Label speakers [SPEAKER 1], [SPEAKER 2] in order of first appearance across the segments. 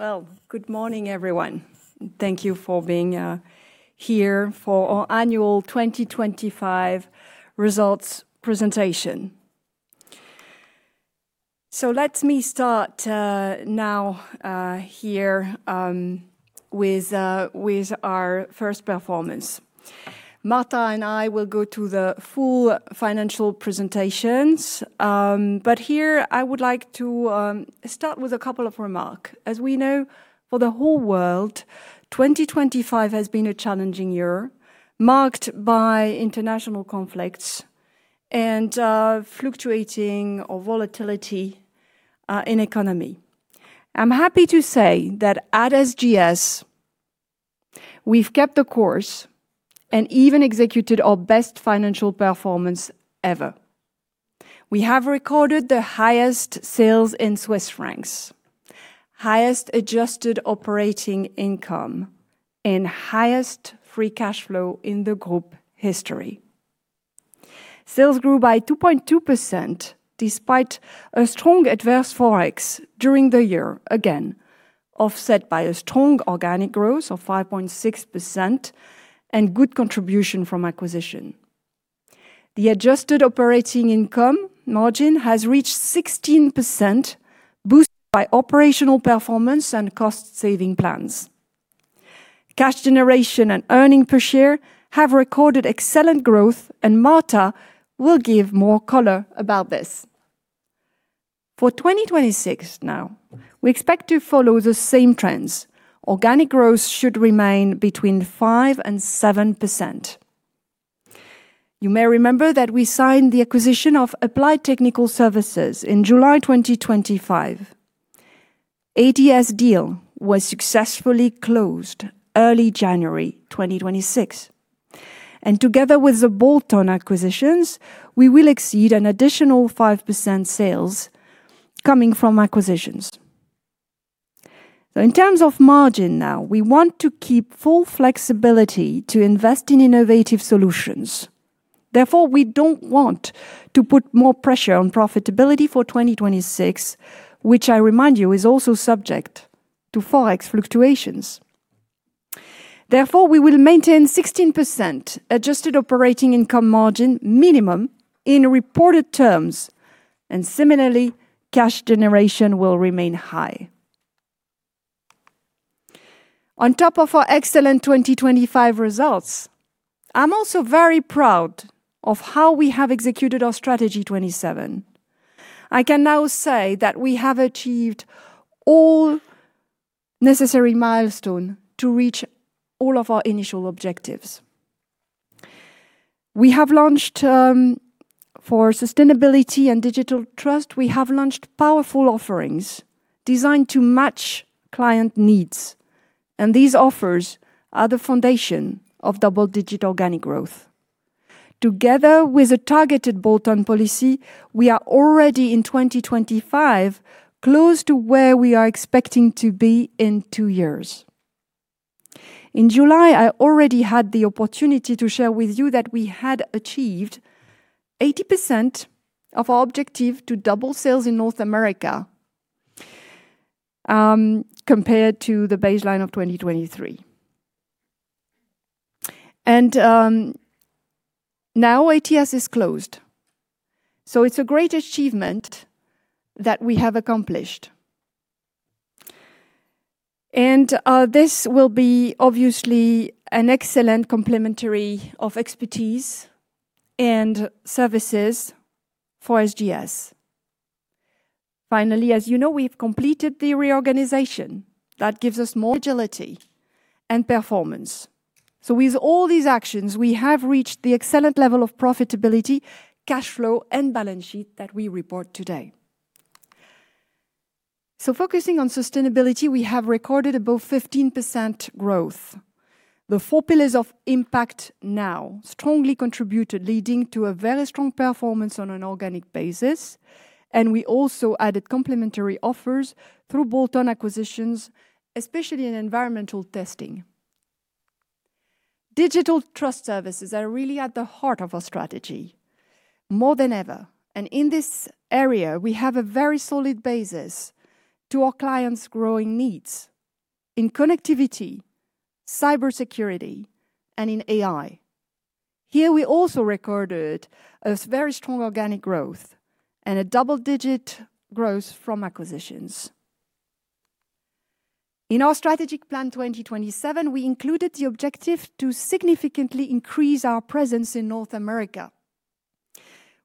[SPEAKER 1] Well, good morning, everyone. Thank you for being here for our annual 2025 results presentation. So let me start now here with with our first performance. Marta and I will go through the full financial presentations. But here I would like to start with a couple of remarks. As we know, for the whole world, 2025 has been a challenging year, marked by international conflicts and fluctuating or volatility in economy. I'm happy to say that at SGS, we've kept the course and even executed our best financial performance ever. We have recorded the highest sales in Swiss francs, highest adjusted operating income, and highest free cash flow in the group history. Sales grew by 2.2%, despite a strong adverse Forex during the year, again, offset by a strong organic growth of 5.6% and good contribution from acquisition. The adjusted operating income margin has reached 16%, boosted by operational performance and cost-saving plans. Cash generation and earnings per share have recorded excellent growth, and Marta will give more color about this. For 2026 now, we expect to follow the same trends. Organic growth should remain between 5% and 7%. You may remember that we signed the acquisition of Applied Technical Services in July 2025. ATS deal was successfully closed early January 2026, and together with the bolt-on acquisitions, we will exceed an additional 5% sales coming from acquisitions. So in terms of margin now, we want to keep full flexibility to invest in innovative solutions. Therefore, we don't want to put more pressure on profitability for 2026, which I remind you, is also subject to Forex fluctuations. Therefore, we will maintain 16% Adjusted Operating Income margin minimum in reported terms, and similarly, cash generation will remain high. On top of our excellent 2025 results, I'm also very proud of how we have executed our Strategy 27. I can now say that we have achieved all necessary milestone to reach all of our initial objectives. We have launched for sustainability and digital trust, we have launched powerful offerings designed to match client needs, and these offers are the foundation of double-digit organic growth. Together with a targeted bolt-on policy, we are already in 2025, close to where we are expecting to be in two years. In July, I already had the opportunity to share with you that we had achieved 80% of our objective to double sales in North America, compared to the baseline of 2023. And now ATS is closed, so it's a great achievement that we have accomplished. And this will be obviously an excellent complementary of expertise and services for SGS. Finally, as you know, we've completed the reorganization that gives us more agility and performance. So with all these actions, we have reached the excellent level of profitability, cash flow, and balance sheet that we report today. So focusing on sustainability, we have recorded above 15% growth. The four pillars of Impact Now strongly contributed, leading to a very strong performance on an organic basis, and we also added complementary offers through bolt-on acquisitions, especially in environmental testing. Digital Trust services are really at the heart of our strategy more than ever, and in this area, we have a very solid basis to our clients' growing needs in connectivity, cybersecurity, and in AI. Here, we also recorded a very strong organic growth and a double-digit growth from acquisitions. In our strategic plan 2027, we included the objective to significantly increase our presence in North America.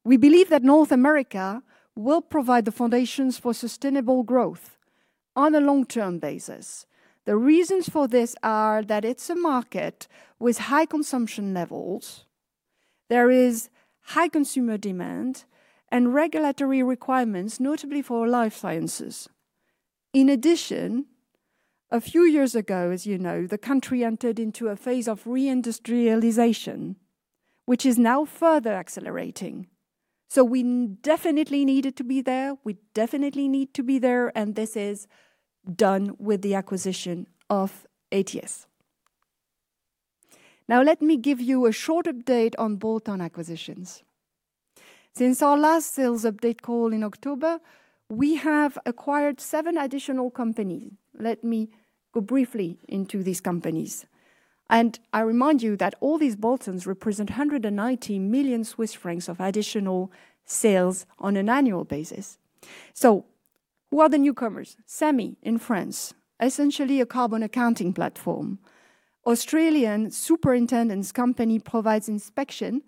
[SPEAKER 1] We believe that North America will provide the foundations for sustainable growth on a long-term basis. The reasons for this are that it's a market with high consumption levels. There is high consumer demand and regulatory requirements, notably for life sciences. In addition, a few years ago, as you know, the country entered into a phase of re-industrialization, which is now further accelerating. So we definitely needed to be there. We definitely need to be there, and this is done with the acquisition of ATS. Now, let me give you a short update on bolt-on acquisitions. Since our last sales update call in October, we have acquired seven additional companies. Let me go briefly into these companies, and I remind you that all these bolt-ons represent 190 million Swiss francs of additional sales on an annual basis. So who are the newcomers? Sami in France, essentially a carbon accounting platform. Australian Superintendence Company provides inspection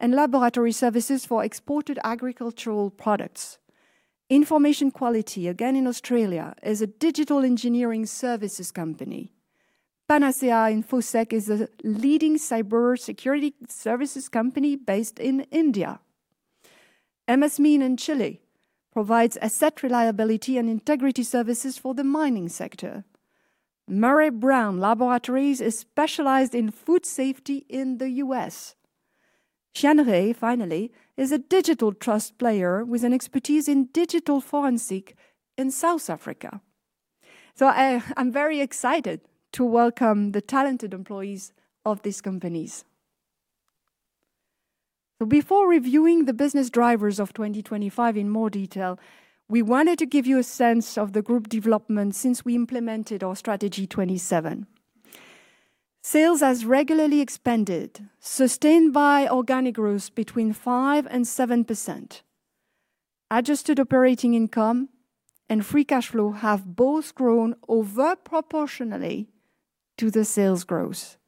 [SPEAKER 1] and laboratory services for exported agricultural products. Information Quality, again in Australia, is a digital engineering services company. Panacea Infosec is a leading cybersecurity services company based in India. MSM in Chile provides asset reliability and integrity services for the mining sector. Murray-Brown Laboratories is specialized in food safety in the U.S. Cyanre, finally, is a digital trust player with an expertise in digital forensic in South Africa. So, I'm very excited to welcome the talented employees of these companies. Before reviewing the business drivers of 2025 in more detail, we wanted to give you a sense of the group development since we implemented our Strategy 27. Sales has regularly expanded, sustained by organic growth between 5%- to %. Adjusted operating income and free cash flow have both grown over proportionally to the sales growth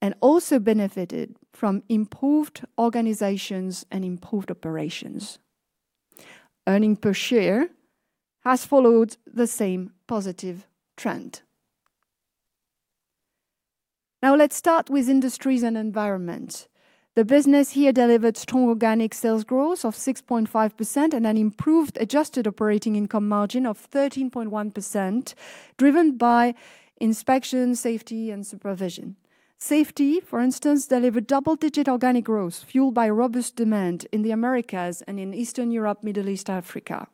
[SPEAKER 1] and also benefited from improved organizations and improved operations. Earnings per share has followed the same positive trend. Now let's start with industries and environment. The business here delivered strong organic sales growth of 6.5% and an improved adjusted operating income margin of 13.1%, driven by inspection, safety, and supervision. Safety, for instance, delivered double-digit organic growth, fueled by robust demand in the Americas and in Eastern Europe, Middle East, Africa.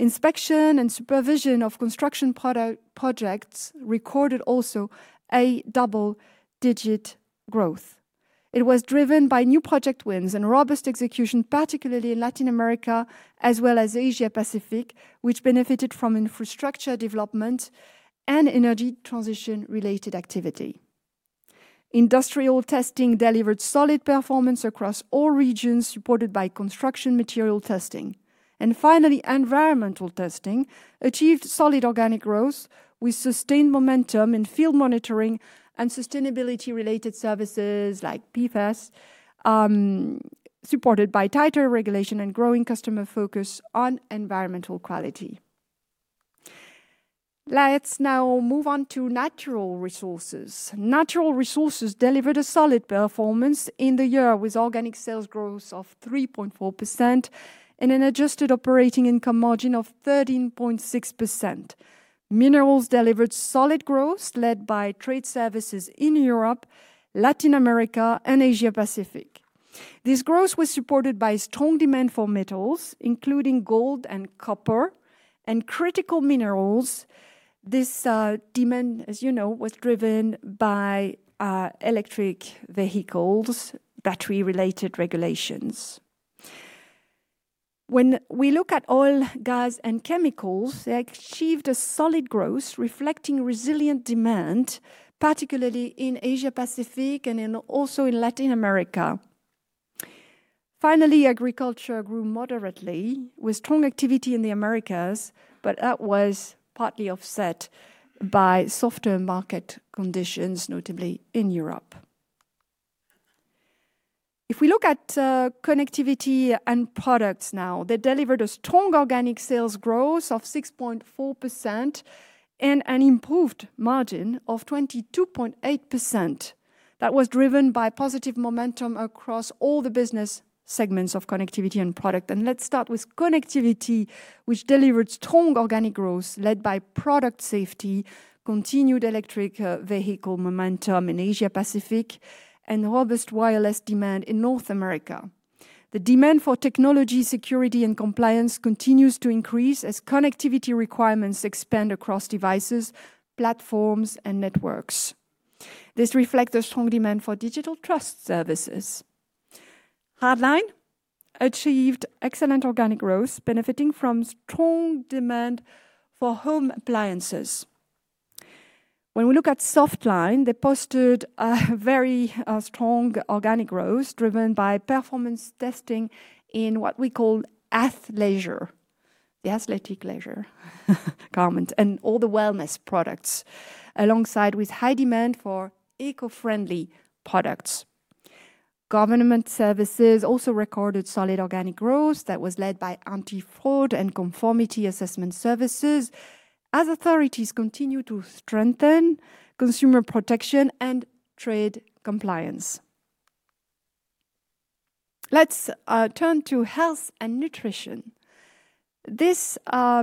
[SPEAKER 1] Inspection and supervision of construction projects recorded also a double-digit growth. It was driven by new project wins and robust execution, particularly in Latin America as well as Asia Pacific, which benefited from infrastructure development and energy transition-related activity. Industrial testing delivered solid performance across all regions, supported by construction material testing. And finally, environmental testing achieved solid organic growth, with sustained momentum in field monitoring and sustainability-related services like PFAS, supported by tighter regulation and growing customer focus on environmental quality. Let's now move on to natural resources. Natural resources delivered a solid performance in the year, with organic sales growth of 3.4% and an adjusted operating income margin of 13.6%. Minerals delivered solid growth, led by trade services in Europe, Latin America, and Asia Pacific. This growth was supported by strong demand for metals, including gold and copper and critical minerals. This demand, as you know, was driven by electric vehicles, battery-related regulations. When we look at oil, gas, and chemicals, they achieved a solid growth, reflecting resilient demand, particularly in Asia Pacific and also in Latin America. Finally, agriculture grew moderately, with strong activity in the Americas, but that was partly offset by softer market conditions, notably in Europe. If we look at connectivity and products now, they delivered a strong organic sales growth of 6.4% and an improved margin of 22.8%. That was driven by positive momentum across all the business segments of connectivity and product. Let's start with connectivity, which delivered strong organic growth led by product safety, continued electric vehicle momentum in Asia Pacific, and robust wireless demand in North America. The demand for technology, security, and compliance continues to increase as connectivity requirements expand across devices, platforms, and networks. This reflects the strong demand for Digital Trust services. Hardline achieved excellent organic growth, benefiting from strong demand for home appliances. When we look at Softline, they posted a very strong organic growth, driven by performance testing in what we call Athleisure, the athletic leisure garment, and all the wellness products, alongside with high demand for eco-friendly products. Government services also recorded solid organic growth that was led by anti-fraud and conformity assessment services, as authorities continue to strengthen consumer protection and trade compliance. Let's turn to health and nutrition. This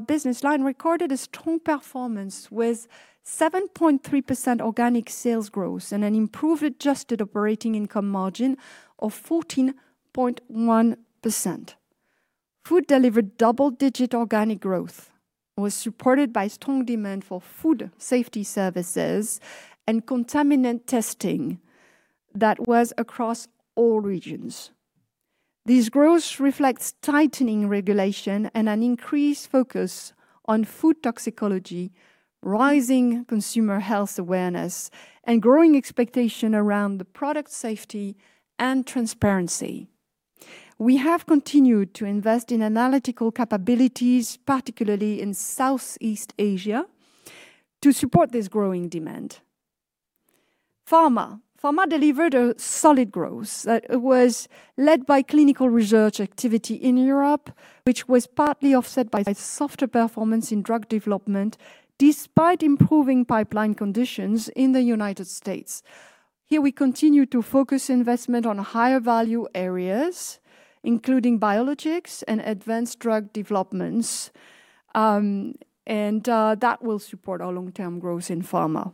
[SPEAKER 1] business line recorded a strong performance, with 7.3% organic sales growth and an improved adjusted operating income margin of 14.1%. Food delivered double-digit organic growth was supported by strong demand for food safety services and contaminant testing that was across all regions. This growth reflects tightening regulation and an increased focus on food toxicology, rising consumer health awareness, and growing expectation around the product safety and transparency. We have continued to invest in analytical capabilities, particularly in Southeast Asia, to support this growing demand. Pharma: Pharma delivered a solid growth that was led by clinical research activity in Europe, which was partly offset by its softer performance in drug development, despite improving pipeline conditions in the United States. Here, we continue to focus investment on higher value areas, including biologics and advanced drug developments, and that will support our long-term growth in pharma.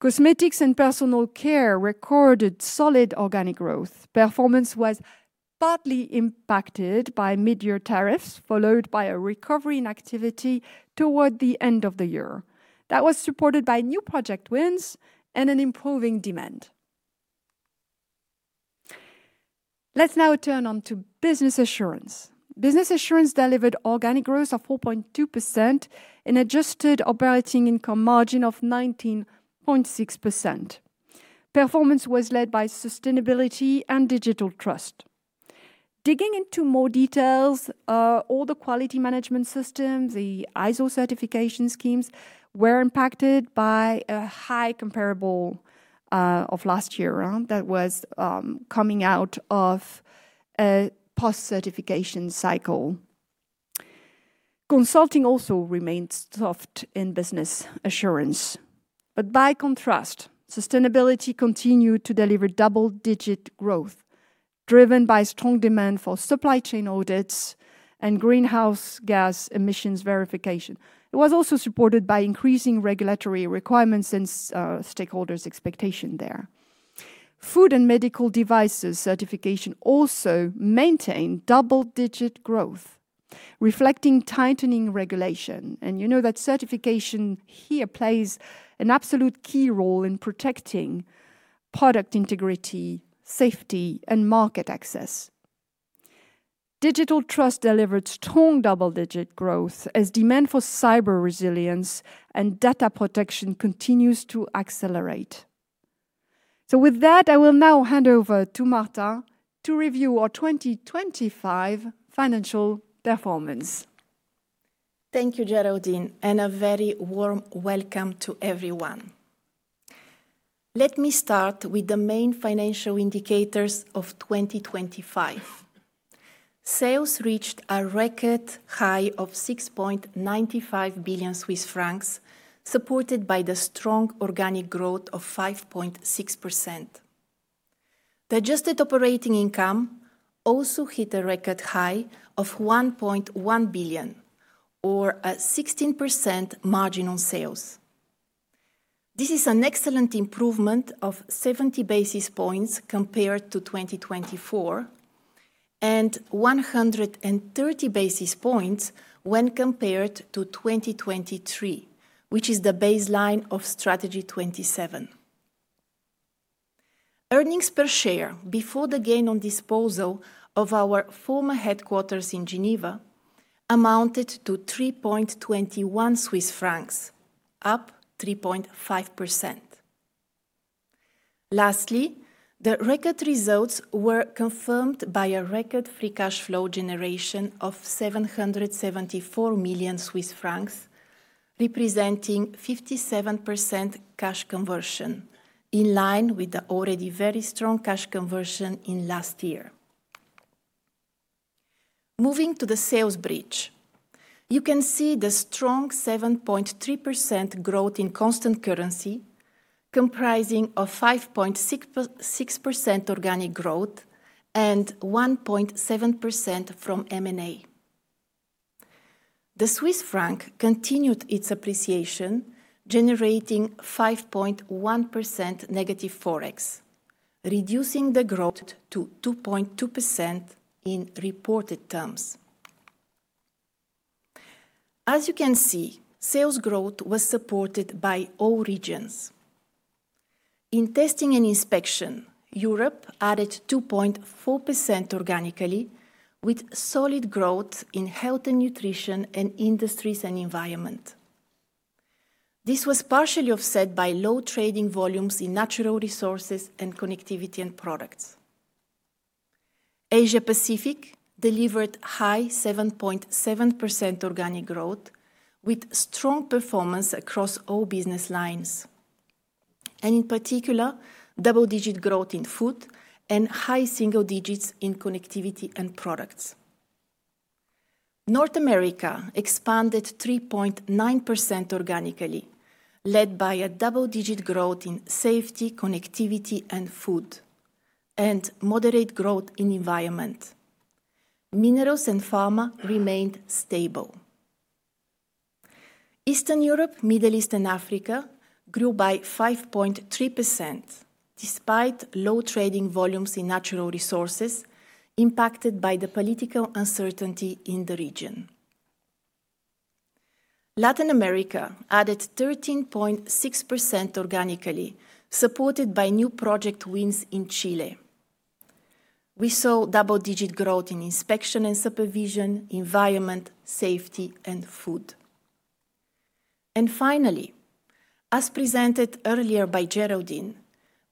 [SPEAKER 1] Cosmetics and personal care recorded solid organic growth. Performance was partly impacted by midyear tariffs, followed by a recovery in activity toward the end of the year. That was supported by new project wins and an improving demand. Let's now turn on to Business Assurance. Business Assurance delivered organic growth of 4.2% and adjusted operating income margin of 19.6%. Performance was led by sustainability and digital trust. Digging into more details, all the quality management systems, the ISO certification schemes, were impacted by a high comparable of last year around that was coming out of a post-certification cycle. Consulting also remained soft in Business Assurance. But by contrast, sustainability continued to deliver double-digit growth, driven by strong demand for supply chain audits and greenhouse gas emissions verification. It was also supported by increasing regulatory requirements and stakeholders' expectation there. Food and medical devices certification also maintained double-digit growth, reflecting tightening regulation, and you know that certification here plays an absolute key role in protecting product integrity, safety, and market access. Digital Trust delivered strong double-digit growth as demand for cyber resilience and data protection continues to accelerate. So with that, I will now hand over to Marta to review our 2025 financial performance.
[SPEAKER 2] Thank you, Géraldine, and a very warm welcome to everyone. Let me start with the main financial indicators of 2025. Sales reached a record high of 6.95 billion Swiss francs, supported by the strong organic growth of 5.6%. The adjusted operating income also hit a record high of 1.1 billion, or a 16% margin on sales. This is an excellent improvement of 70 basis points compared to 2024, and 130 basis points when compared to 2023, which is the baseline of Strategy 27. Earnings per share before the gain on disposal of our former headquarters in Geneva amounted to 3.21 Swiss francs, up 3.5%. Lastly, the record results were confirmed by a record free cash flow generation of 774 million Swiss francs, representing 57% cash conversion, in line with the already very strong cash conversion in last year. Moving to the sales bridge, you can see the strong 7.3% growth in constant currency, comprising of 5.6% to 6% organic growth and 1.7% from M&A. The Swiss franc continued its appreciation, generating 5.1% negative Forex, reducing the growth to 2.2% in reported terms. As you can see, sales growth was supported by all regions. In testing and inspection, Europe added 2.4% organically, with solid growth in health and nutrition and industries and environment. This was partially offset by low trading volumes in natural resources and connectivity and products. Asia Pacific delivered high 7.7% organic growth, with strong performance across all business lines, and in particular, double-digit growth in food and high single digits in connectivity and products. North America expanded 3.9% organically, led by a double-digit growth in safety, connectivity, and food, and moderate growth in environment. Minerals and pharma remained stable. Eastern Europe, Middle East, and Africa grew by 5.3%, despite low trading volumes in natural resources impacted by the political uncertainty in the region. Latin America added 13.6% organically, supported by new project wins in Chile. We saw double-digit growth in inspection and supervision, environment, safety, and food. And finally, as presented earlier by Géraldine,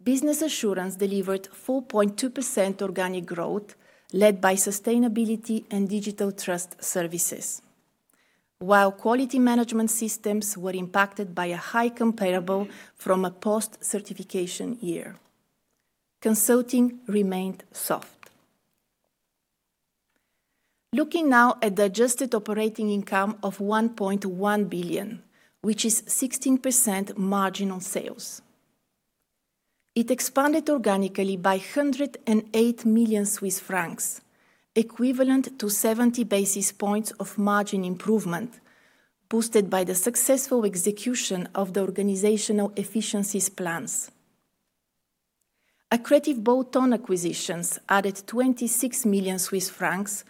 [SPEAKER 2] Business Assurance delivered 4.2% organic growth, led by sustainability and digital trust services. While quality management systems were impacted by a high comparable from a post-certification year, consulting remained soft. Looking now at the adjusted operating income of 1.1 billion, which is 16% margin on sales. It expanded organically by 108 million Swiss francs, equivalent to 70 basis points of margin improvement, boosted by the successful execution of the organizational efficiencies plans. Accretive bolt-on acquisitions added 26 million Swiss francs,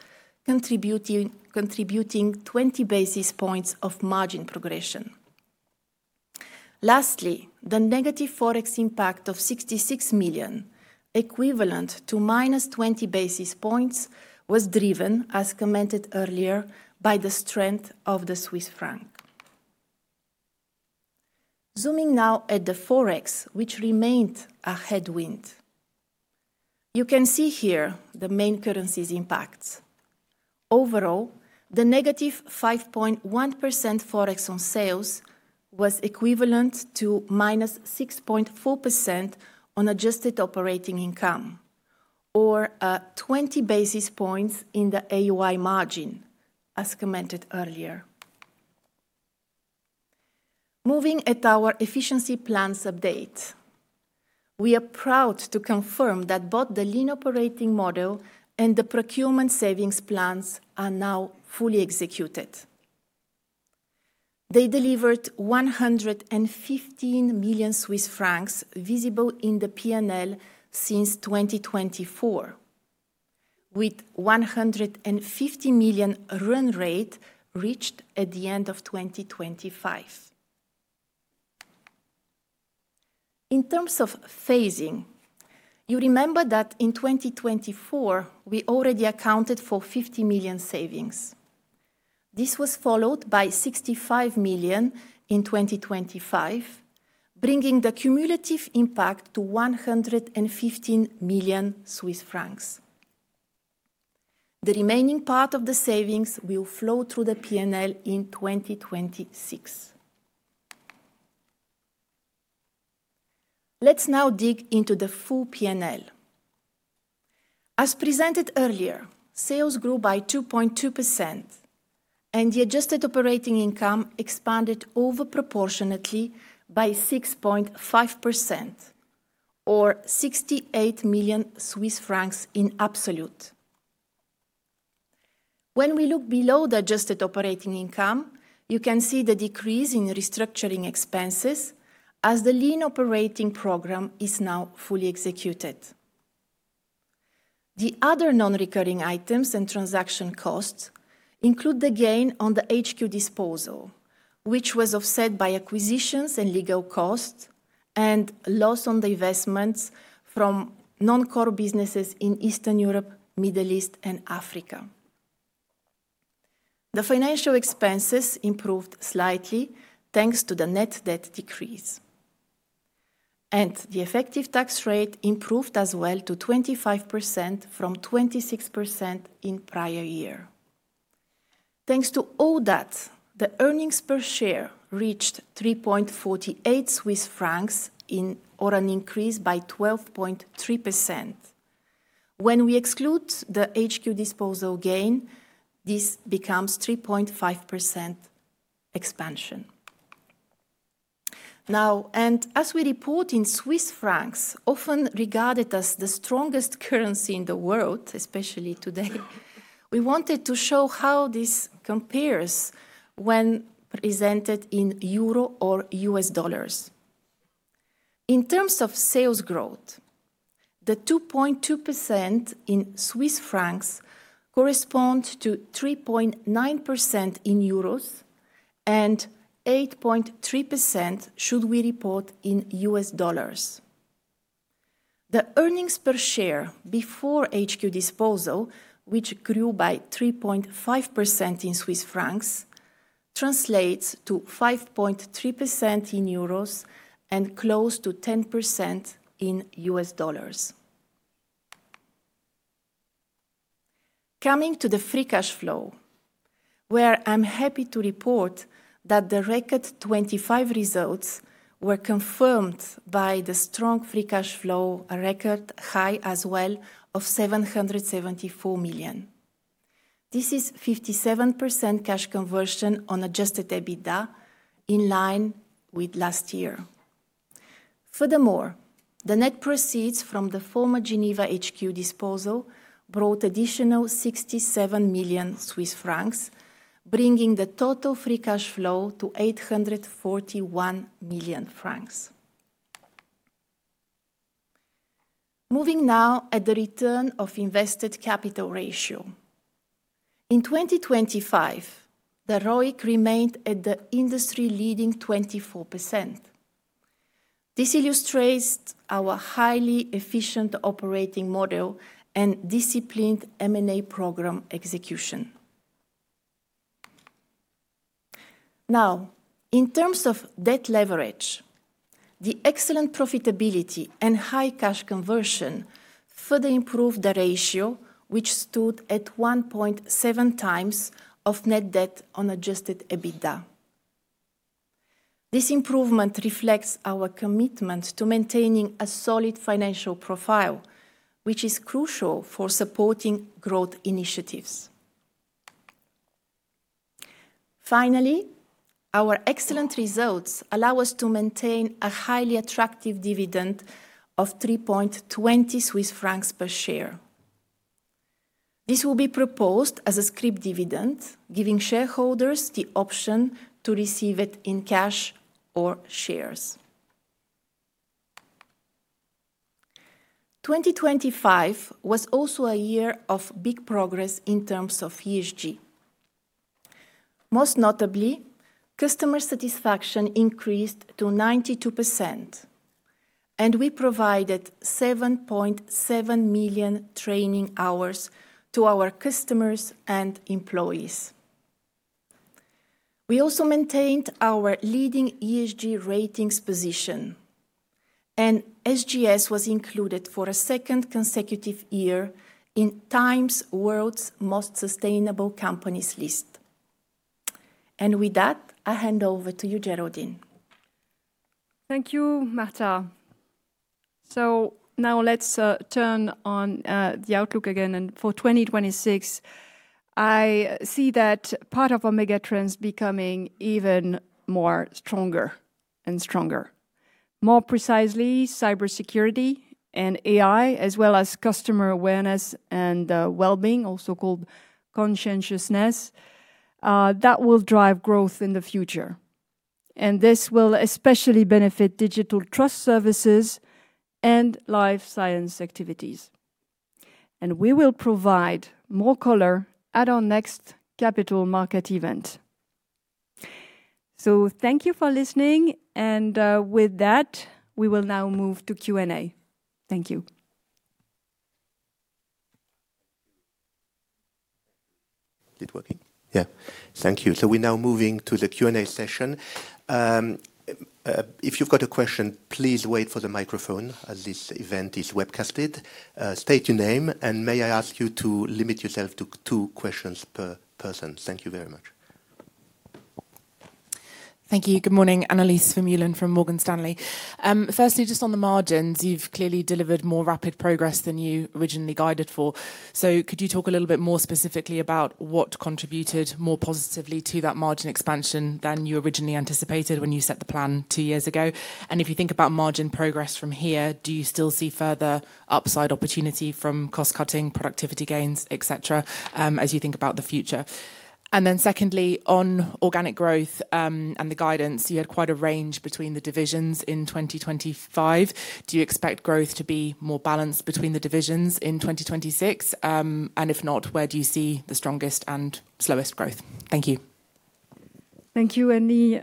[SPEAKER 2] contributing 20 basis points of margin progression. Lastly, the negative forex impact of 66 million, equivalent to -20 basis points, was driven, as commented earlier, by the strength of the Swiss franc. Zooming now at the forex, which remained a headwind. You can see here the main currencies impacts. Overall, the -5.1% forex on sales was equivalent to -6.4% on adjusted operating income, or 20 basis points in the AOI margin, as commented earlier. Moving to our efficiency plans update. We are proud to confirm that both the Lean Operating Model and the procurement savings plans are now fully executed. They delivered 115 million Swiss francs, visible in the P&L since 2024, with 150 million run rate reached at the end of 2025. In terms of phasing, you remember that in 2024, we already accounted for 50 million savings. This was followed by 65 million in 2025, bringing the cumulative impact to 115 million Swiss francs. The remaining part of the savings will flow through the P&L in 2026. Let's now dig into the full P&L. As presented earlier, sales grew by 2.2%, and the adjusted operating income expanded over proportionately by 6.5% or 68 million CHF in absolute. When we look below the adjusted operating income, you can see the decrease in restructuring expenses as the lean operating program is now fully executed. The other non-recurring items and transaction costs include the gain on the HQ disposal, which was offset by acquisitions and legal costs and loss on the investments from non-core businesses in Eastern Europe, Middle East, and Africa. The financial expenses improved slightly, thanks to the net debt decrease, and the effective tax rate improved as well to 25% from 26% in prior year. Thanks to all that, the earnings per share reached 3.48 Swiss francs or an increase by 12.3%. When we exclude the HQ disposal gain, this becomes 3.5% expansion. Now, and as we report in Swiss francs, often regarded as the strongest currency in the world, especially today, we wanted to show how this compares when presented in euro or US dollars. In terms of sales growth, the 2.2% in Swiss francs correspond to 3.9% in euros, and 8.3%, should we report in US dollars. The earnings per share before HQ disposal, which grew by 3.5% in Swiss francs, translates to 5.3% in euros and close to 10% in US dollars. Coming to the free cash flow, where I'm happy to report that the record 25 results were confirmed by the strong free cash flow, a record high as well of 774 million. This is 57% cash conversion on adjusted EBITDA, in line with last year. Furthermore, the net proceeds from the former Geneva HQ disposal brought additional 67 million Swiss francs, bringing the total free cash flow to 841 million francs. Moving now to the return on invested capital ratio. In 2025, the ROIC remained at the industry-leading 24%. This illustrates our highly efficient operating model and disciplined M&A program execution. Now, in terms of debt leverage, the excellent profitability and high cash conversion further improved the ratio, which stood at 1.7x net debt on adjusted EBITDA. This improvement reflects our commitment to maintaining a solid financial profile, which is crucial for supporting growth initiatives. Finally, our excellent results allow us to maintain a highly attractive dividend of 3.20 Swiss francs per share. This will be proposed as a scrip dividend, giving shareholders the option to receive it in cash or shares. 2025 was also a year of big progress in terms of ESG. Most notably, customer satisfaction increased to 92%, and we provided 7.7 million training hours to our customers and employees. We also maintained our leading ESG ratings position, and SGS was included for a second consecutive year in Time's World's Most Sustainable Companies list. With that, I hand over to you, Géraldine.
[SPEAKER 1] Thank you, Marta. So now let's turn on the outlook again. And for 2026, I see that part of our mega trends becoming even more stronger and stronger. More precisely, cybersecurity and AI, as well as customer awareness and well-being, also called conscientiousness, that will drive growth in the future, and this will especially benefit digital trust services and life science activities. And we will provide more color at our next capital market event. So thank you for listening, and with that, we will now move to Q&A. Thank you.
[SPEAKER 3] it working? Yeah. Thank you. So we're now moving to the Q&A session. If you've got a question, please wait for the microphone, as this event is webcasted. State your name, and may I ask you to limit yourself to two questions per person? Thank you very much.
[SPEAKER 4] Thank you. Good morning, Annelies Vermeulen from Morgan Stanley. Firstly, just on the margins, you've clearly delivered more rapid progress than you originally guided for. So could you talk a little bit more specifically about what contributed more positively to that margin expansion than you originally anticipated when you set the plan two years ago? And if you think about margin progress from here, do you still see further upside opportunity from cost-cutting, productivity gains, et cetera, as you think about the future? And then secondly, on organic growth, and the guidance, you had quite a range between the divisions in 2025. Do you expect growth to be more balanced between the divisions in 2026? And if not, where do you see the strongest and slowest growth? Thank you.
[SPEAKER 1] Thank you, Annie.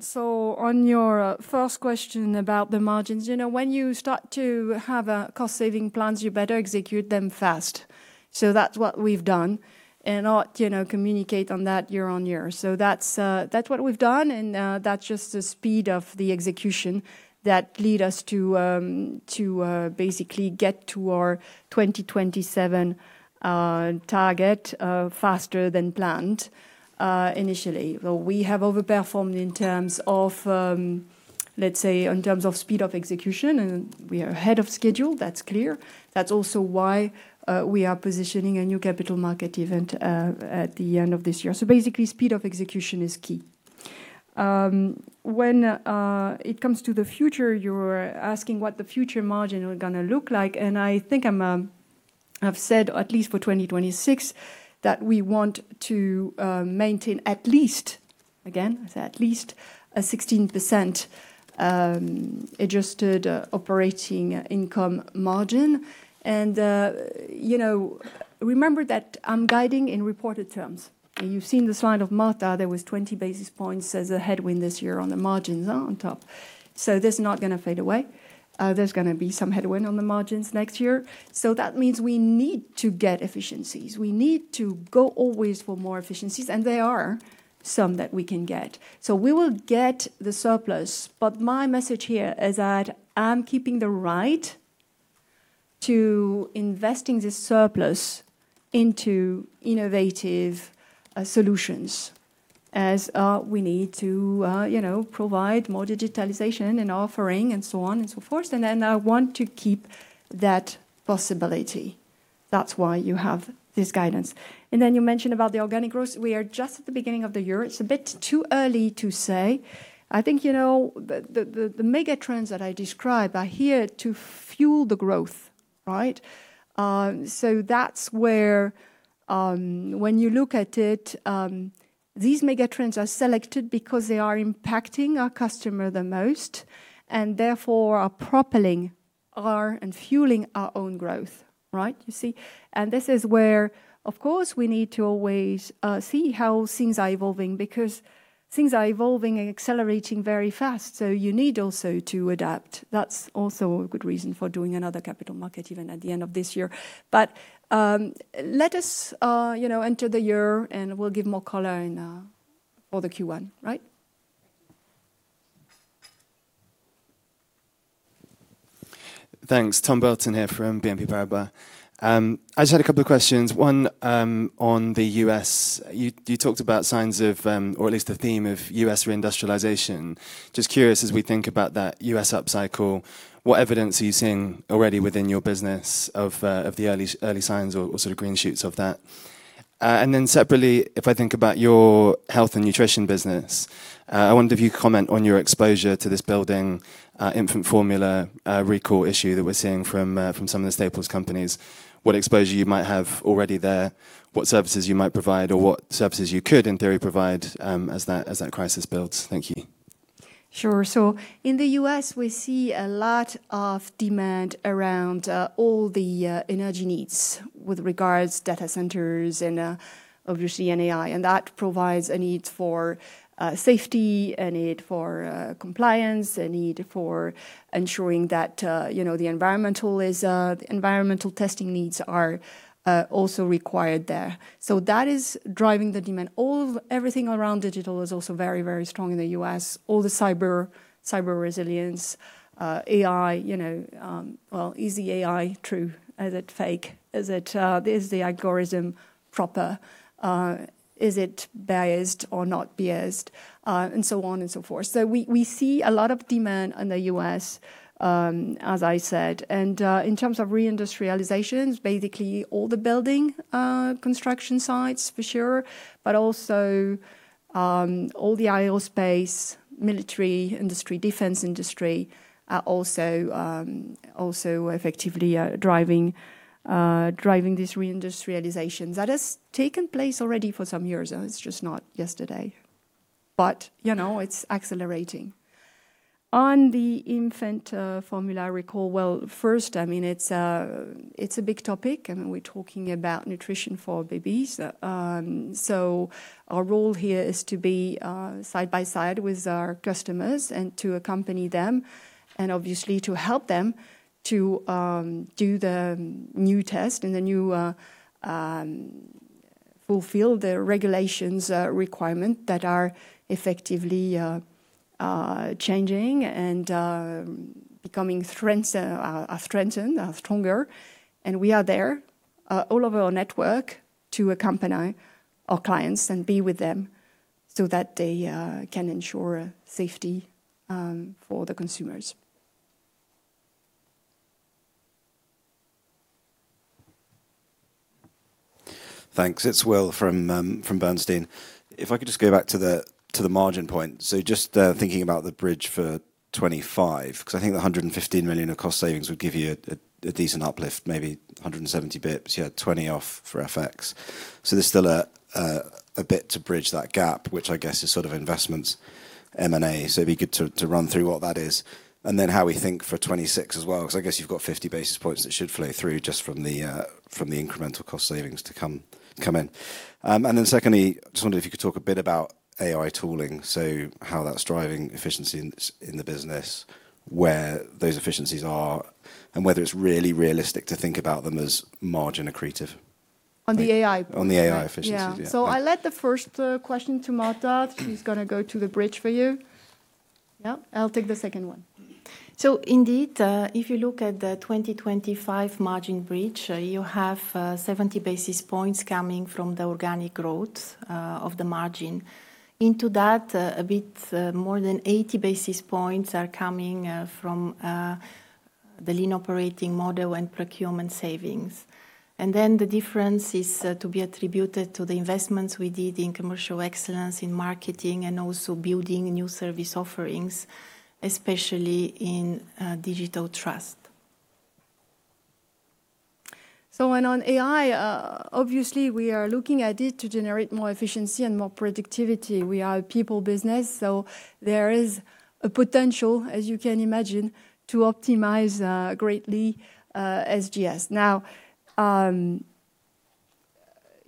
[SPEAKER 1] So on your first question about the margins, you know, when you start to have cost saving plans, you better execute them fast. So that's what we've done and not, you know, communicate on that year-on-year. So that's what we've done, and that's just the speed of the execution that lead us to basically get to our 2027 target faster than planned initially. Well, we have overperformed in terms of, let's say, in terms of speed of execution, and we are ahead of schedule, that's clear. That's also why we are positioning a new capital market event at the end of this year. So basically, speed of execution is key. When it comes to the future, you're asking what the future margin are gonna look like, and I think I've said, at least for 2026, that we want to maintain at least, again, I say at least, a 16% adjusted operating income margin. You know, remember that I'm guiding in reported terms. You've seen the slide of Marta. There was 20 basis points as a headwind this year on the margins on top. So this is not gonna fade away. There's gonna be some headwind on the margins next year. So that means we need to get efficiencies. We need to go always for more efficiencies, and there are some that we can get. So we will get the surplus, but my message here is that I'm keeping the right to investing this surplus into innovative solutions, as we need to, you know, provide more digitalization and offering and so on and so forth. And then I want to keep that possibility.... That's why you have this guidance. And then you mentioned about the organic growth. We are just at the beginning of the year. It's a bit too early to say. I think, you know, the mega trends that I described are here to fuel the growth, right? So that's where, when you look at it, these mega trends are selected because they are impacting our customer the most, and therefore are propelling our and fueling our own growth, right? You see. This is where, of course, we need to always see how things are evolving, because things are evolving and accelerating very fast, so you need also to adapt. That's also a good reason for doing another capital market, even at the end of this year. Let us, you know, enter the year, and we'll give more color in for the Q1. Right?
[SPEAKER 5] Thanks. Tom Belton here from BNP Paribas. I just had a couple of questions. One, on the US. You, you talked about signs of, or at least the theme of US reindustrialization. Just curious, as we think about that US upcycle, what evidence are you seeing already within your business of, of the early, early signs or, or sort of green shoots of that? And then separately, if I think about your health and nutrition business, I wonder if you comment on your exposure to this building, infant formula, recall issue that we're seeing from, from some of the Staples companies. What exposure you might have already there, what services you might provide, or what services you could, in theory, provide, as that, as that crisis builds? Thank you.
[SPEAKER 1] Sure. So in the U.S., we see a lot of demand around all the energy needs with regards data centers and obviously AI, and that provides a need for safety, a need for compliance, a need for ensuring that you know the environmental is the environmental testing needs are also required there. So that is driving the demand. Everything around digital is also very, very strong in the U.S. All the cyber, cyber resilience, AI, you know, well, is the AI true? Is it fake? Is it is the algorithm proper? Is it biased or not biased? And so on and so forth. So we, we see a lot of demand in the U.S., as I said. In terms of reindustrialization, basically, all the building construction sites for sure, but also all the aerospace, military industry, defense industry are also effectively driving this reindustrialization. That has taken place already for some years, and it's just not yesterday, but, you know, it's accelerating. On the infant formula recall, well, first, I mean, it's a, it's a big topic, and we're talking about nutrition for babies. So our role here is to be side by side with our customers and to accompany them, and obviously to help them to do the new test and fulfill the regulations requirement that are effectively changing and becoming stronger. We are there all over our network, to accompany our clients and be with them so that they can ensure safety for the consumers.
[SPEAKER 6] Thanks. It's Will from Bernstein. If I could just go back to the margin point. So just thinking about the bridge for 25, 'cause I think the 115 million of cost savings would give you a decent uplift, maybe 170 basis points. You had 20 off for FX. So there's still a bit to bridge that gap, which I guess is sort of investments, M&A. So it'd be good to run through what that is, and then how we think for 26 as well, because I guess you've got 50 basis points that should flow through just from the incremental cost savings to come in. And then secondly, just wondered if you could talk a bit about AI tooling, so how that's driving efficiency in the business, where those efficiencies are, and whether it's really realistic to think about them as margin accretive?
[SPEAKER 1] On the AI?
[SPEAKER 6] On the AI efficiency, yeah.
[SPEAKER 1] Yeah. So I'll let the first question to Marta. She's gonna go to the bridge for you. Yeah, I'll take the second one.
[SPEAKER 2] So indeed, if you look at the 2025 margin bridge, you have 70 basis points coming from the organic growth of the margin. Into that, a bit more than 80 basis points are coming from the Lean Operating Model and procurement savings. And then the difference is to be attributed to the investments we did in commercial excellence, in marketing, and also building new service offerings, especially in Digital Trust.
[SPEAKER 1] So when on AI, obviously, we are looking at it to generate more efficiency and more productivity. We are a people business, so there is a potential, as you can imagine, to optimize, greatly, SGS. Now,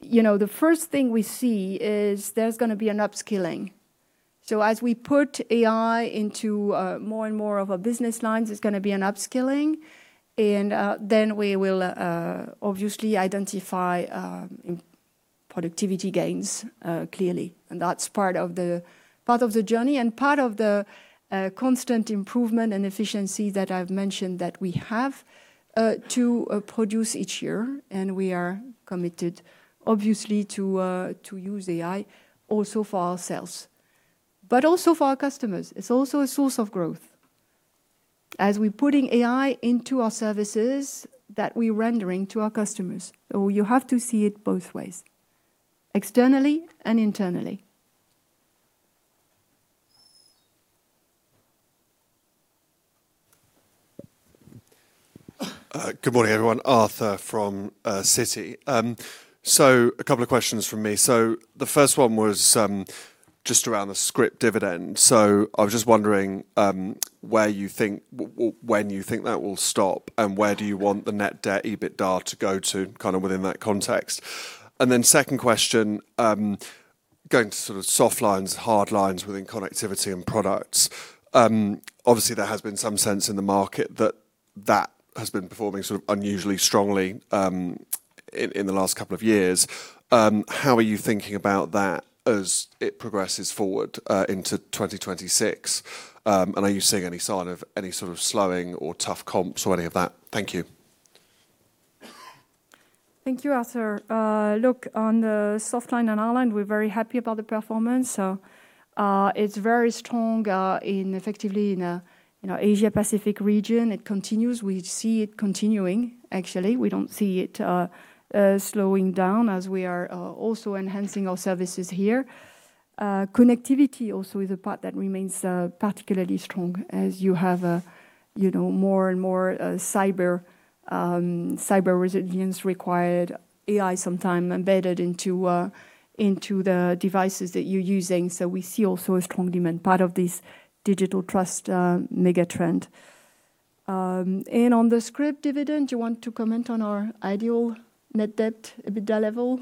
[SPEAKER 1] you know, the first thing we see is there's gonna be an upskilling. So as we put AI into, more and more of our business lines, there's gonna be an upskilling, and, then we will, obviously identify, productivity gains, clearly. And that's part of the, part of the journey and part of the, constant improvement and efficiency that I've mentioned that we have, to, produce each year, and we are committed, obviously, to, to use AI also for ourselves, but also for our customers. It's also a source of growth. As we're putting AI into our services that we're rendering to our customers. So you have to see it both ways, externally and internally.
[SPEAKER 7] Good morning, everyone. Arthur from Citi. So a couple of questions from me. The first one was just around the scrip dividend. I was just wondering when you think that will stop, and where do you want the net debt EBITDA to go to, kind of within that context? Then second question, going to sort of soft lines, hard lines within Connectivity and Products. Obviously, there has been some sense in the market that that has been performing sort of unusually strongly in the last couple of years. How are you thinking about that as it progresses forward into 2026? And are you seeing any sign of any sort of slowing or tough comps or any of that? Thank you.
[SPEAKER 1] Thank you, Arthur. Look, on the soft line and online, we're very happy about the performance. So, it's very strong in you know, Asia Pacific region. It continues. We see it continuing, actually. We don't see it slowing down as we are also enhancing our services here. Connectivity also is a part that remains particularly strong as you have a you know, more and more cyber resilience required, AI sometime embedded into the devices that you're using. So we see also a strong demand, part of this Digital Trust mega trend. And on the scrip dividend, you want to comment on our ideal net debt EBITDA level?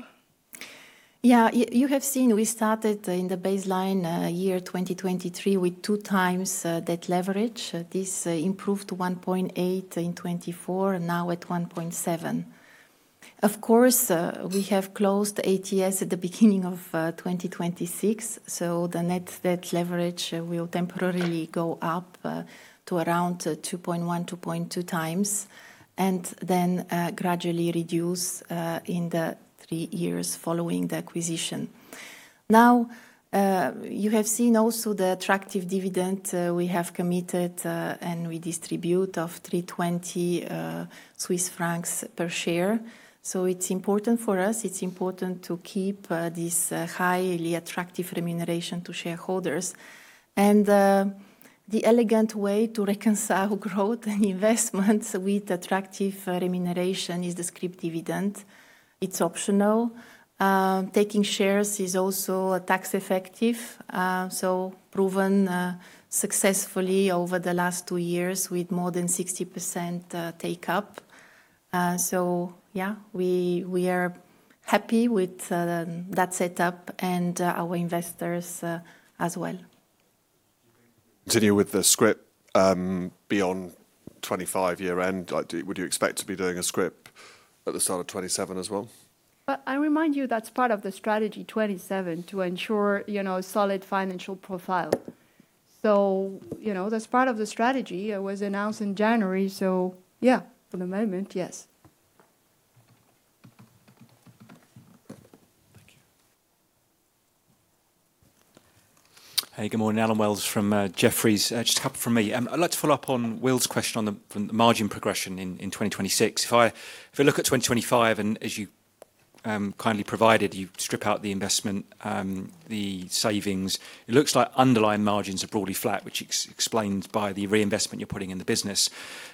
[SPEAKER 2] Yeah. You have seen, we started in the baseline year 2023 with 2x debt leverage. This improved to 1.8 in 2024 and now at 1.7. Of course, we have closed ATS at the beginning of 2026, so the net debt leverage will temporarily go up to around 2.1 to 2.2x, and then gradually reduce in the three years following the acquisition. Now, you have seen also the attractive dividend we have committed and we distribute of 3.20 Swiss francs per share. So it's important for us. It's important to keep this highly attractive remuneration to shareholders. The elegant way to reconcile growth and investments with attractive remuneration is the scrip dividend. It's optional. Taking shares is also tax effective, so proven successfully over the last two years with more than 60% take-up. So yeah, we are happy with that setup and our investors as well.
[SPEAKER 7] Continue with the scrip beyond 2025 year-end. Like, would you expect to be doing a scrip at the start of 2027 as well?
[SPEAKER 1] Well, I remind you, that's part of the Strategy 2027, to ensure, you know, solid financial profile. So, you know, that's part of the strategy. It was announced in January. So yeah, for the moment, yes.
[SPEAKER 7] Thank you.
[SPEAKER 8] Hey, good morning. Alan Wells from Jefferies. Just a couple from me. I'd like to follow up on Will's question on the margin progression in 2026. If I look at 2025, and as you kindly provided, you strip out the investment, the savings, it looks like underlying margins are broadly flat, which is explained by the reinvestment you're putting in the business.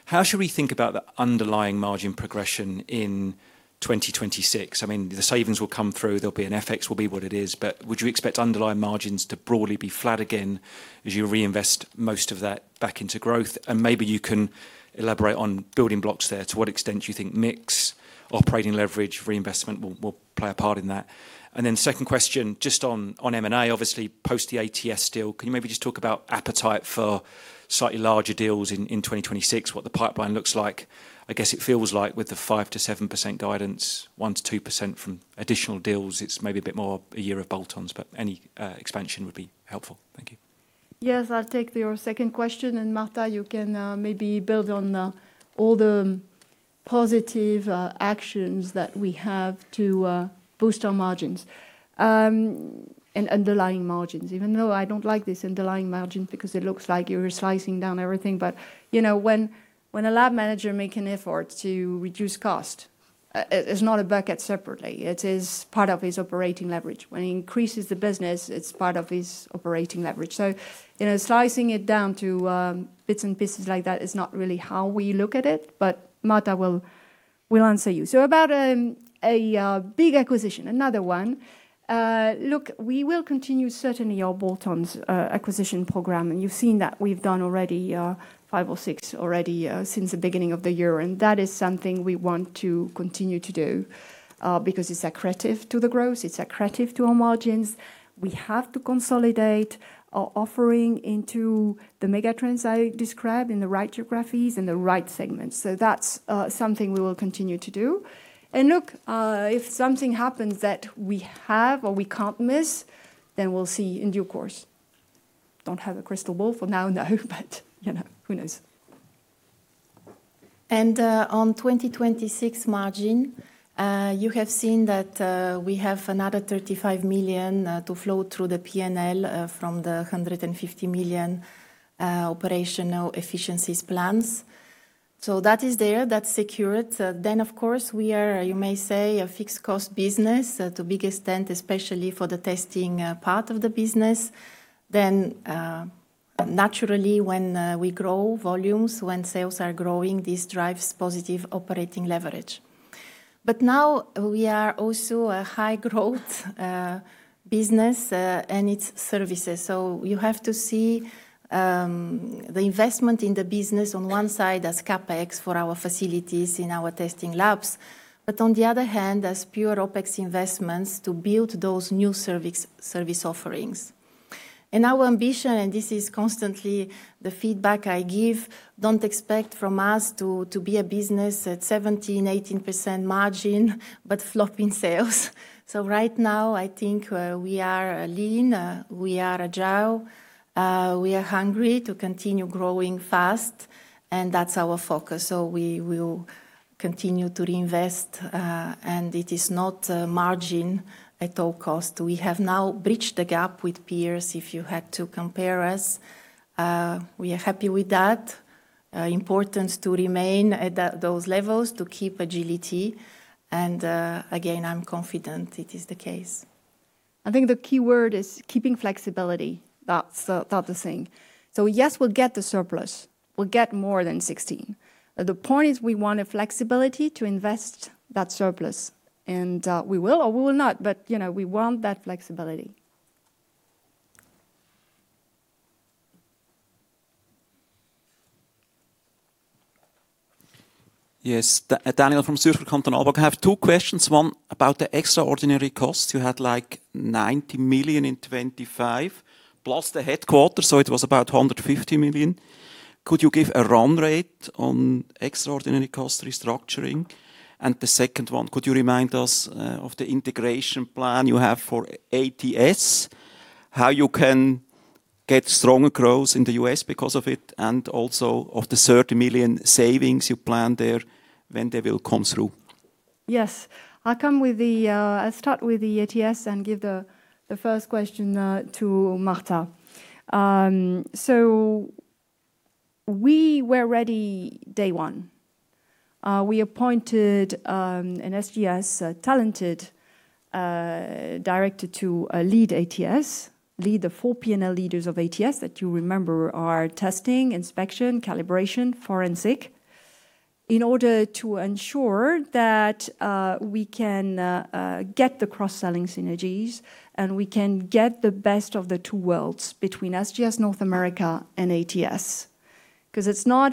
[SPEAKER 8] How should we think about the underlying margin progression in 2026? I mean, the savings will come through, there'll be an FX. It will be what it is. But would you expect underlying margins to broadly be flat again, as you reinvest most of that back into growth? And maybe you can elaborate on building blocks there. To what extent do you think mix, operating leverage, reinvestment will play a part in that? And then second question, just on, on M&A, obviously, post the ATS deal, can you maybe just talk about appetite for slightly larger deals in, in 2026, what the pipeline looks like? I guess it feels like with the 5% to 7% guidance, 1% to 2% from additional deals, it's maybe a bit more a year of bolt-ons, but any expansion would be helpful. Thank you.
[SPEAKER 1] Yes, I'll take your second question, and Marta, you can maybe build on all the positive actions that we have to boost our margins, and underlying margins. Even though I don't like this underlying margin, because it looks like you're slicing down everything. But, you know, when a lab manager make an effort to reduce cost, it's not a bucket separately, it is part of his operating leverage. When he increases the business, it's part of his operating leverage. So, you know, slicing it down to bits and pieces like that is not really how we look at it, but Marta will answer you. So about a big acquisition, another one. Look, we will continue certainly our bolt-ons acquisition program, and you've seen that we've done already 5 or 6 already since the beginning of the year. That is something we want to continue to do because it's accretive to the growth, it's accretive to our margins. We have to consolidate our offering into the mega trends I described in the right geographies and the right segments. That's something we will continue to do. Look, if something happens that we have or we can't miss, then we'll see in due course. Don't have a crystal ball for now, no, but you know, who knows?
[SPEAKER 2] On 2026 margin, you have seen that we have another 35 million to flow through the P&L from the 150 million operational efficiencies plans. So that is there, that's secured. Then, of course, we are, you may say, a fixed cost business to a big extent, especially for the testing part of the business. Then, naturally, when we grow volumes, when sales are growing, this drives positive operating leverage. But now we are also a high growth business and its services. So you have to see the investment in the business on one side as CapEx for our facilities in our testing labs, but on the other hand, as pure OpEx investments to build those new service offerings. Our ambition, and this is constantly the feedback I give, don't expect from us to be a business at 17% to 18% margin, but flopping sales. So right now, I think, we are lean, we are agile, we are hungry to continue growing fast, and that's our focus. So we will continue to reinvest, and it is not margin at all cost. We have now bridged the gap with peers, if you had to compare us. We are happy with that. Important to remain at that, those levels to keep agility, and, again, I'm confident it is the case.
[SPEAKER 1] I think the key word is keeping flexibility. That's, that's the thing. So yes, we'll get the surplus. We'll get more than 16. The point is, we want the flexibility to invest that surplus, and, we will or we will not, but, you know, we want that flexibility.
[SPEAKER 9] Yes. Daniel from Zürcher Kantonalbank. I have two questions, one about the extraordinary cost. You had, like, 90 million in 2025, plus the headquarters, so it was about 150 million. Could you give a run rate on extraordinary cost restructuring? And the second one, could you remind us of the integration plan you have for ATS? How you can get stronger growth in the US because of it, and also of the 30 million savings you planned there, when they will come through?
[SPEAKER 1] Yes. I'll start with the ATS and give the first question to Marta. So we were ready day one. We appointed an SGS talented director to lead ATS. Lead the four PNL leaders of ATS, that you remember are testing, inspection, calibration, forensic, in order to ensure that we can get the cross-selling synergies, and we can get the best of the two worlds between SGS North America and ATS. 'Cause it's not,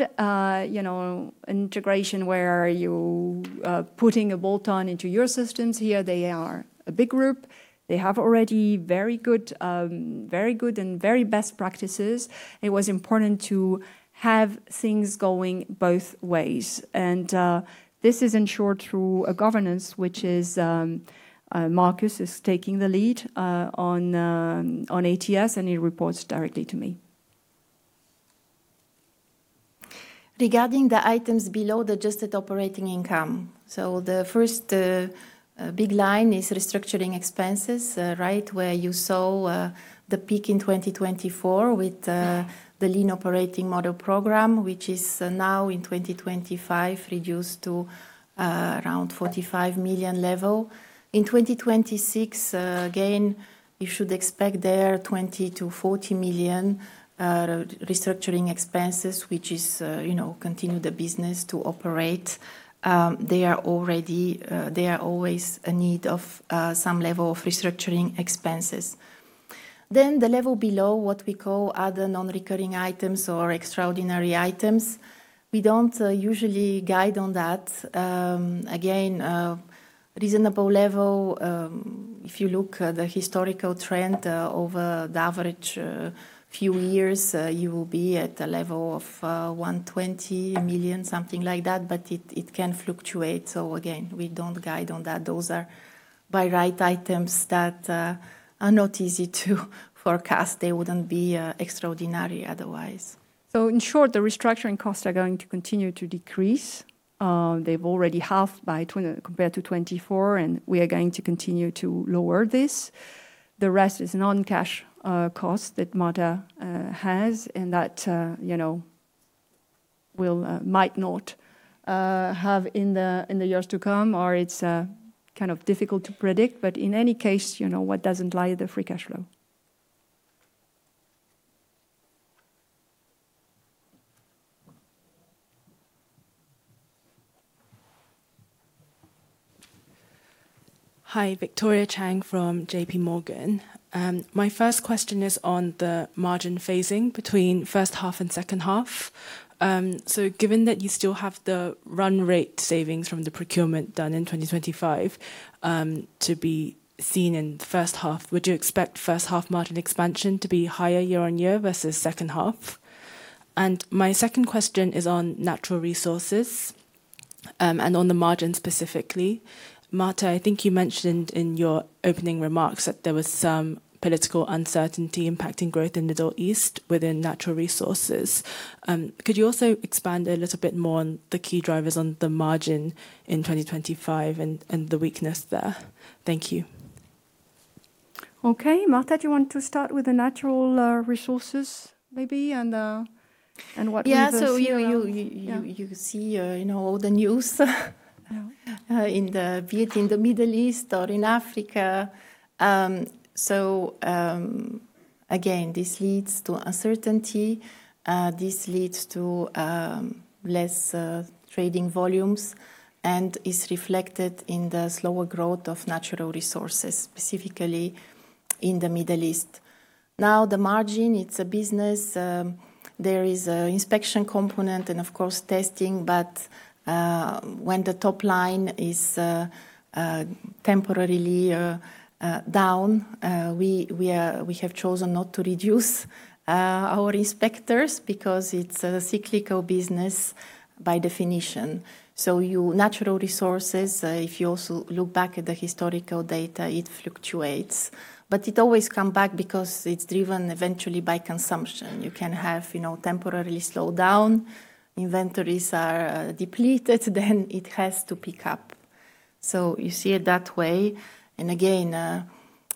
[SPEAKER 1] you know, an integration where you are putting a bolt-on into your systems. Here, they are a big group. They have already very good, very good and very best practices. It was important to have things going both ways, and this is ensured through a governance, which is Marcus is taking the lead on ATS, and he reports directly to me.
[SPEAKER 2] Regarding the items below the Adjusted Operating Income, so the first big line is restructuring expenses, right where you saw the peak in 2024 with the Lean Operating Model program, which is now in 2025, reduced to around 45 million level. In 2026, again, you should expect there 20 million to 40 million restructuring expenses, which is, you know, continue the business to operate. They are already. They are always in need of some level of restructuring expenses. Then the level below, what we call other non-recurring items or extraordinary items, we don't usually guide on that. Again, a reasonable level, if you look at the historical trend, over the average few years, you will be at a level of 120 million, something like that, but it, it can fluctuate. So again, we don't guide on that. Those are by right items that are not easy to forecast. They wouldn't be extraordinary otherwise.
[SPEAKER 1] So in short, the restructuring costs are going to continue to decrease. They've already halved compared to 2024, and we are going to continue to lower this. The rest is non-cash costs that Marta has and that, you know, we might not have in the years to come, or it's kind of difficult to predict, but in any case, you know what doesn't lie, the free cash flow.
[SPEAKER 10] Hi, Victoria Cheng from JPMorgan. My first question is on the margin phasing between first half and second half. So given that you still have the run rate savings from the procurement done in 2025, to be seen in the first half, would you expect first half margin expansion to be higher year-on-year versus second half? And my second question is on natural resources. And on the margin specifically, Marta, I think you mentioned in your opening remarks that there was some political uncertainty impacting growth in Middle East within natural resources. Could you also expand a little bit more on the key drivers on the margin in 2025 and, and the weakness there? Thank you.
[SPEAKER 1] Okay, Marta, do you want to start with the natural resources maybe, and what we will see?
[SPEAKER 2] Yeah. So you see, you know, all the news in the, be it in the Middle East or in Africa. So, again, this leads to uncertainty, this leads to less trading volumes and is reflected in the slower growth of natural resources, specifically in the Middle East. Now, the margin, it's a business, there is an inspection component and of course, testing. But when the top line is temporarily down, we have chosen not to reduce our inspectors because it's a cyclical business by definition. So natural resources, if you also look back at the historical data, it fluctuates, but it always come back because it's driven eventually by consumption. You can have, you know, temporarily slow down. Inventories are depleted, then it has to pick up. So you see it that way. And again,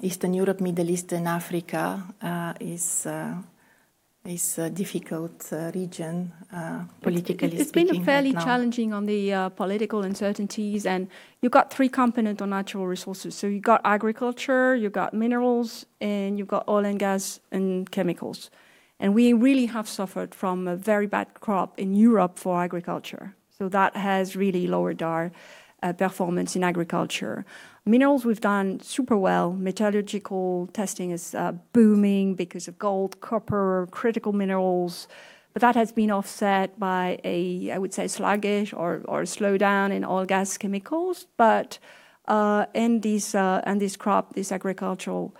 [SPEAKER 2] Eastern Europe, Middle East, and Africa is a difficult region, politically speaking right now.
[SPEAKER 1] It's been fairly challenging on the political uncertainties, and you've got three components on natural resources: so you've got agriculture, you've got minerals, and you've got oil and gas and chemicals. And we really have suffered from a very bad crop in Europe for agriculture, so that has really lowered our performance in agriculture. Minerals, we've done super well. Metallurgical testing is booming because of gold, copper, critical minerals, but that has been offset by a, I would say, sluggish or slowdown in oil, gas, chemicals. But and this crop, this agricultural.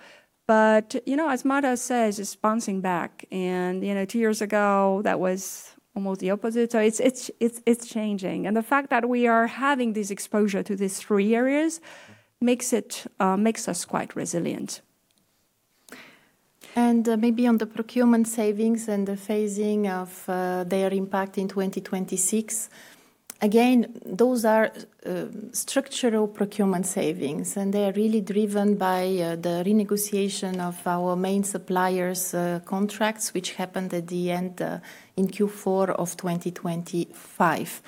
[SPEAKER 1] But, you know, as Marta says, it's bouncing back, and, you know, two years ago, that was almost the opposite. So it's changing. And the fact that we are having this exposure to these three areas makes us quite resilient.
[SPEAKER 2] Maybe on the procurement savings and the phasing of their impact in 2026. Again, those are structural procurement savings, and they are really driven by the renegotiation of our main suppliers' contracts, which happened at the end in Q4 of 2025.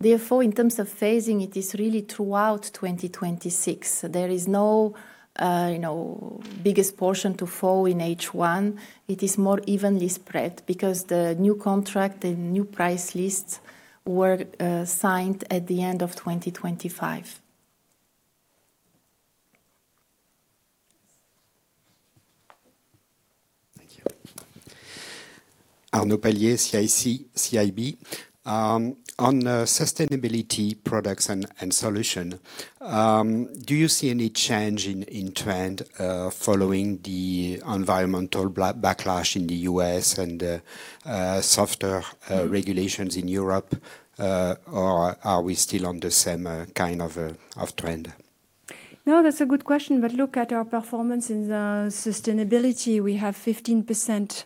[SPEAKER 2] Therefore, in terms of phasing, it is really throughout 2026. There is no, you know, biggest portion to fall in H1. It is more evenly spread because the new contract, the new price lists were signed at the end of 2025.
[SPEAKER 11] Thank you. Arnaud Palliez, CIC Market Solutions. On sustainability products and solution, do you see any change in trend following the environmental backlash in the U.S. and softer regulations in Europe? Or are we still on the same kind of trend?
[SPEAKER 1] No, that's a good question, but look at our performance in sustainability. We have 15%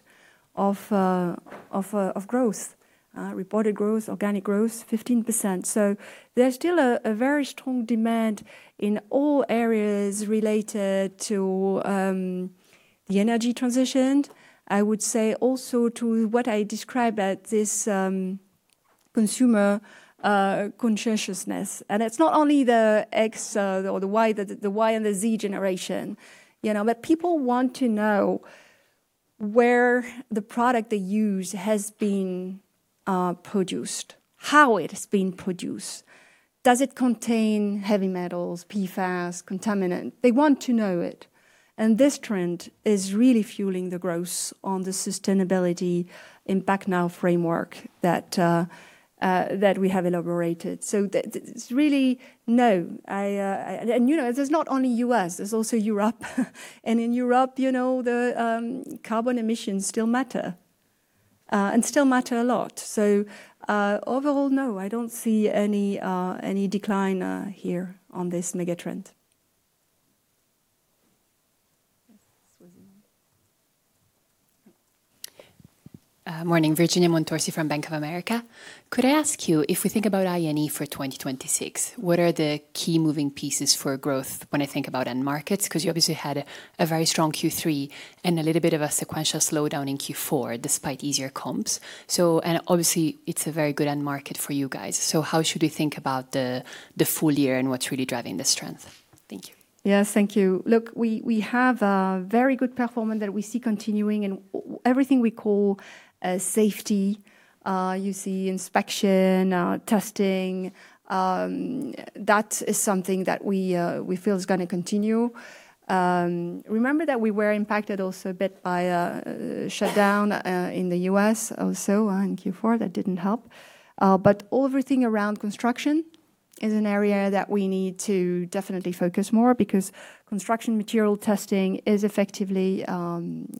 [SPEAKER 1] of growth, reported growth, organic growth, 15%. So there's still a very strong demand in all areas related to the energy transition. I would say also to what I describe as this consumer consciousness. And it's not only the X or the Y, the Y and the Z generation, you know, but people want to know where the product they use has been produced, how it has been produced. Does it contain heavy metals, PFAS, contaminant? They want to know it, and this trend is really fueling the growth on the sustainability Impact Now framework that we have elaborated. So it's really no. And, you know, there's not only U.S., there's also Europe. In Europe, you know, the carbon emissions still matter, and still matter a lot. So, overall, no, I don't see any decline here on this mega trend.
[SPEAKER 12] Morning. Virginia Montorsi from Bank of America. Could I ask you, if we think about INE for 2026, what are the key moving pieces for growth when I think about end markets? 'Cause you obviously had a very strong Q3 and a little bit of a sequential slowdown in Q4, despite easier comps. So and obviously, it's a very good end market for you guys. So how should we think about the full year and what's really driving the strength? Thank you.
[SPEAKER 1] Yes, thank you. Look, we have a very good performance that we see continuing in everything we call safety. You see inspection, testing. That is something that we feel is gonna continue. Remember that we were impacted also a bit by a shutdown in the U.S. also in Q4. That didn't help. But everything around construction is an area that we need to definitely focus more, because construction material testing is effectively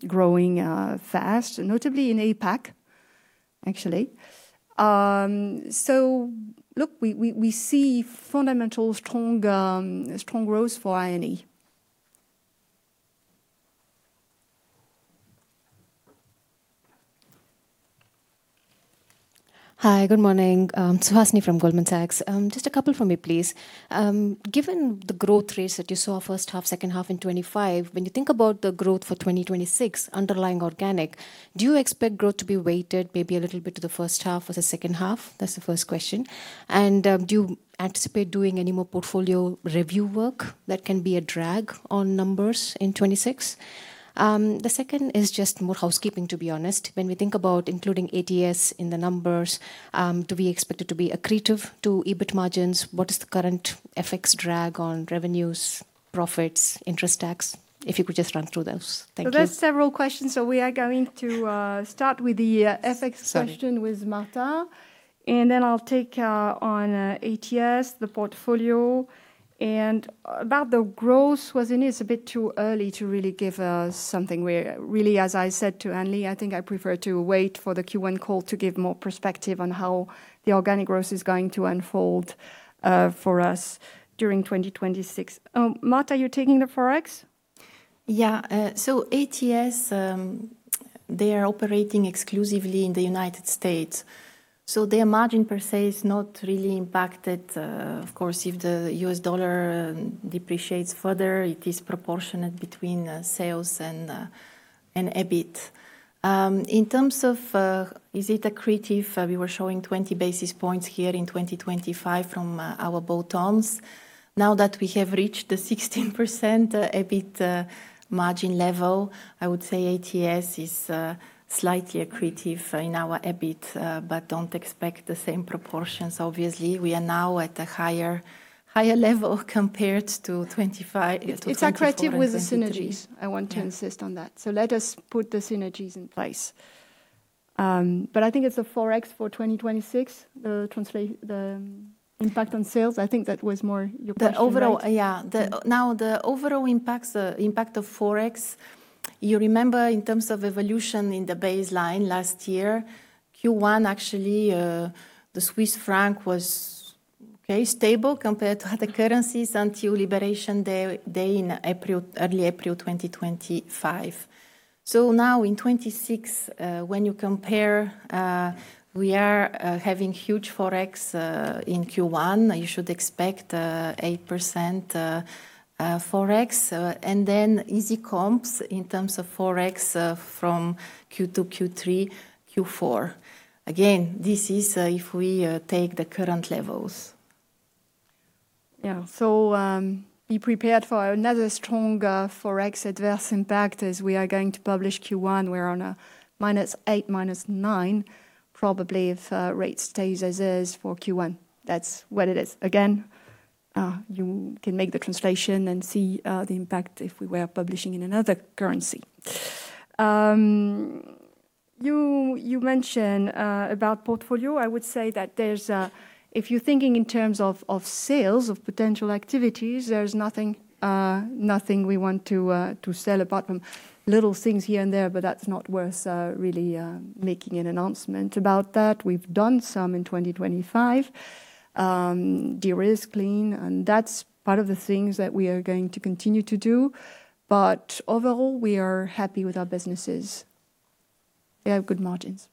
[SPEAKER 1] growing fast, notably in APAC, actually. So look, we see fundamental strong growth for INE.
[SPEAKER 13] Hi, good morning. Suhasini from Goldman Sachs. Just a couple from me, please. Given the growth rates that you saw first half, second half in 2025, when you think about the growth for 2026 underlying organic, do you expect growth to be weighted maybe a little bit to the first half or the second half? That's the first question. Do you anticipate doing any more portfolio review work that can be a drag on numbers in 2026? The second is just more housekeeping, to be honest. When we think about including ATS in the numbers, do we expect it to be accretive to EBIT margins? What is the current FX drag on revenues, profits, interest tax? If you could just run through those. Thank you.
[SPEAKER 1] That's several questions. We are going to start with the FX.
[SPEAKER 13] Sorry.
[SPEAKER 1] Question with Marta, and then I'll take on ATS, the portfolio, and about the growth, what it is a bit too early to really give something where... Really, as I said to Annelies, I think I prefer to wait for the Q1 call to give more perspective on how the organic growth is going to unfold for us during 2026. Marta, are you taking the Forex?
[SPEAKER 2] Yeah. So ATS, they are operating exclusively in the United States, so their margin per se is not really impacted. Of course, if the US dollar depreciates further, it is proportionate between sales and EBIT. In terms of, is it accretive, we were showing 20 basis points here in 2025 from our bolt-ons. Now that we have reached the 16% EBIT margin level, I would say ATS is slightly accretive in our EBIT, but don't expect the same proportions. Obviously, we are now at a higher level compared to 25.
[SPEAKER 1] It's accretive with the synergies.
[SPEAKER 2] Yeah.
[SPEAKER 1] I want to insist on that. So let us put the synergies in place. But I think it's a Forex for 2026, the impact on sales. I think that was more your question, right?
[SPEAKER 2] Now, the overall impact of Forex, you remember in terms of evolution in the baseline last year, Q1, actually, the Swiss franc was stable compared to other currencies until Liberation Day in early April 2025. So now in 2026, when you compare, we are having huge Forex in Q1. You should expect 8% Forex, and then easy comps in terms of Forex from Q2, Q3, Q4. Again, this is if we take the current levels.
[SPEAKER 1] Yeah. So, be prepared for another strong Forex adverse impact as we are going to publish Q1. We're on a -8, -9, probably if rate stays as is for Q1. That's what it is. Again, you can make the translation and see the impact if we were publishing in another currency. You mentioned about portfolio. I would say that there's a... If you're thinking in terms of sales, of potential activities, there's nothing, nothing we want to to sell apart from little things here and there, but that's not worth really making an announcement about that. We've done some in 2025, de-risk, clean, and that's part of the things that we are going to continue to do, but overall, we are happy with our businesses. They have good margins.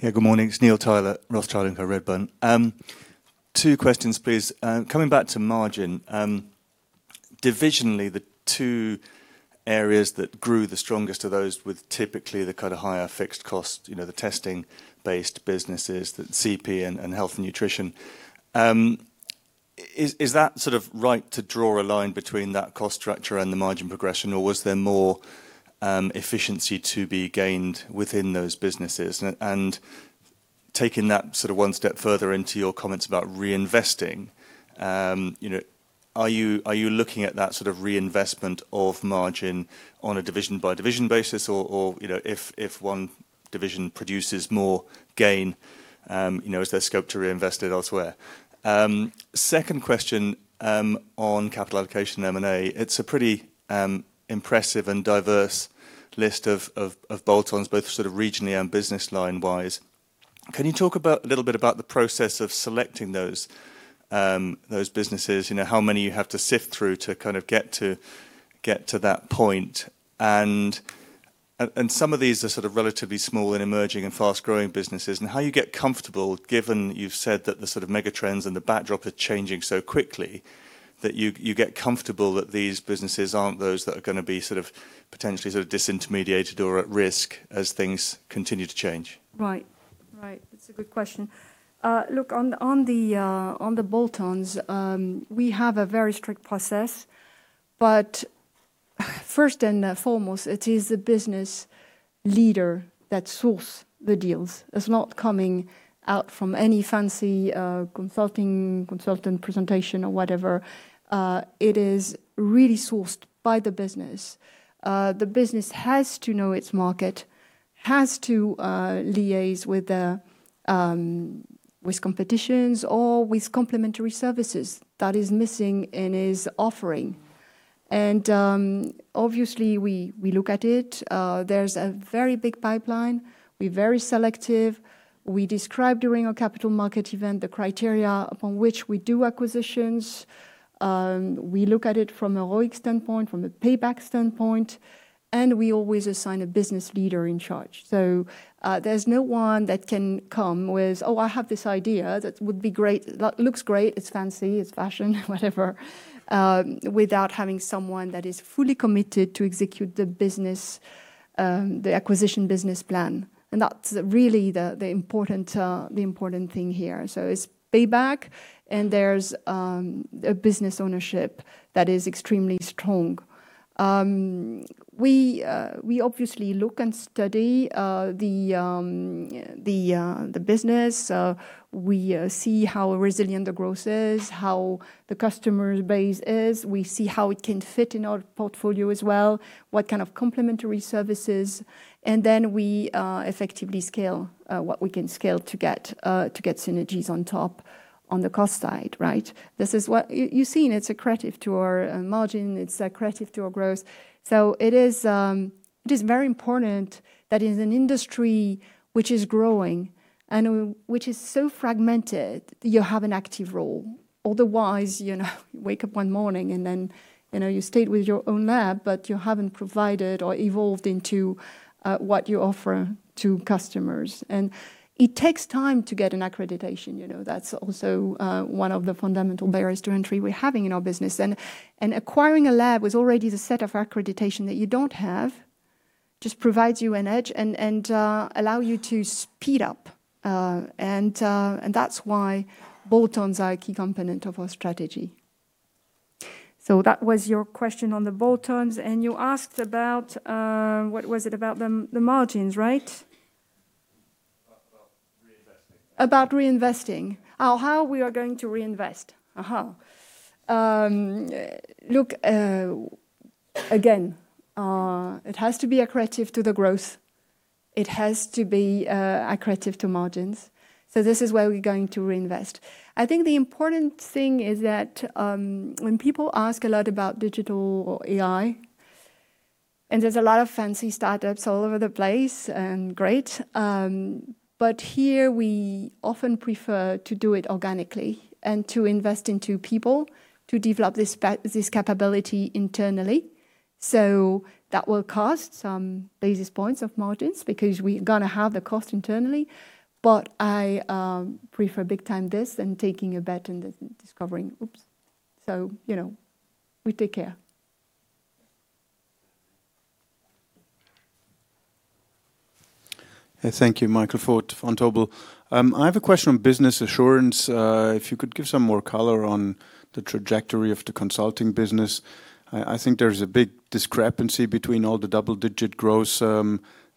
[SPEAKER 14] Yeah. Good morning, it's Neil Tyler, Rothschild & Co, Redburn. Two questions, please. Coming back to margin, divisionally, the two areas that grew the strongest are those with typically the kind of higher fixed cost, you know, the testing-based businesses, the CP and health and nutrition. Is that sort of right to draw a line between that cost structure and the margin progression, or was there more efficiency to be gained within those businesses? Taking that sort of one step further into your comments about reinvesting, you know, are you looking at that sort of reinvestment of margin on a division-by-division basis, or, you know, if one division produces more gain, you know, is there scope to reinvest it elsewhere? Second question, on capital allocation and M&A. It's a pretty impressive and diverse list of bolt-ons, both sort of regionally and business line-wise. Can you talk about a little bit about the process of selecting those businesses? You know, how many you have to sift through to kind of get to that point. And some of these are sort of relatively small and emerging and fast-growing businesses, and how you get comfortable, given you've said that the sort of mega trends and the backdrop are changing so quickly, that you get comfortable that these businesses aren't those that are gonna be sort of potentially sort of disintermediated or at risk as things continue to change?
[SPEAKER 1] Right. Right, that's a good question. Look, on the bolt-ons, we have a very strict process, but first and foremost, it is the business leader that sources the deals. It's not coming out from any fancy consultant presentation or whatever. It is really sourced by the business. The business has to know its market, has to liaise with the competitors or with complementary services that is missing in its offering. And, obviously we look at it. There's a very big pipeline. We're very selective. We describe during our capital market event the criteria upon which we do acquisitions. We look at it from a ROIC standpoint, from a payback standpoint, and we always assign a business leader in charge. So, there's no one that can come with, "Oh, I have this idea that would be great, that looks great, it's fancy, it's fashion," whatever, without having someone that is fully committed to execute the business, the acquisition business plan. And that's really the important thing here. So it's payback, and there's a business ownership that is extremely strong. We obviously look and study the business. We see how resilient the growth is, how the customer base is. We see how it can fit in our portfolio as well, what kind of complementary services, and then we effectively scale what we can scale to get synergies on top on the cost side, right? This is what you've seen. It's accretive to our margin. It's accretive to our growth. So it is, it is very important that in an industry which is growing and which is so fragmented, you have an active role. Otherwise, you know, wake up one morning, and then, you know, you stayed with your own lab, but you haven't provided or evolved into, what you offer to customers. And it takes time to get an accreditation, you know. That's also, one of the fundamental barriers to entry we're having in our business. And, acquiring a lab with already the set of accreditation that you don't have, just provides you an edge and, allow you to speed up. And that's why bolt-ons are a key component of our strategy. So that was your question on the bolt-ons, and you asked about, what was it? About the, the margins, right? About reinvesting. Oh, how we are going to reinvest. It has to be accretive to the growth. It has to be accretive to margins. So this is where we're going to reinvest. I think the important thing is that when people ask a lot about digital or AI, and there's a lot of fancy startups all over the place, and great, but here we often prefer to do it organically and to invest into people to develop this capability internally. So that will cost some basis points of margins because we're gonna have the cost internally, but I prefer big time this than taking a bet and then discovering, oops. So, you know, we take care.
[SPEAKER 15] Thank you. Michael Foeth on Vontobel. I have a question on business assurance. If you could give some more color on the trajectory of the consulting business. I think there's a big discrepancy between all the double-digit growth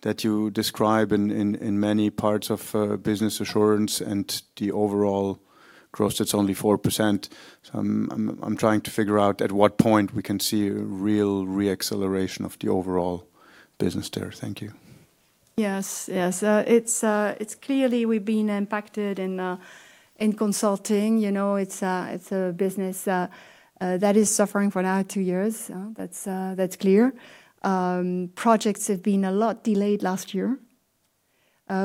[SPEAKER 15] that you describe in many parts of business assurance and the overall growth that's only 4%. So I'm trying to figure out at what point we can see a real re-acceleration of the overall business there. Thank you.
[SPEAKER 1] Yes, yes. It's clearly we've been impacted in consulting. You know, it's a business that is suffering for now two years. That's clear. Projects have been a lot delayed last year.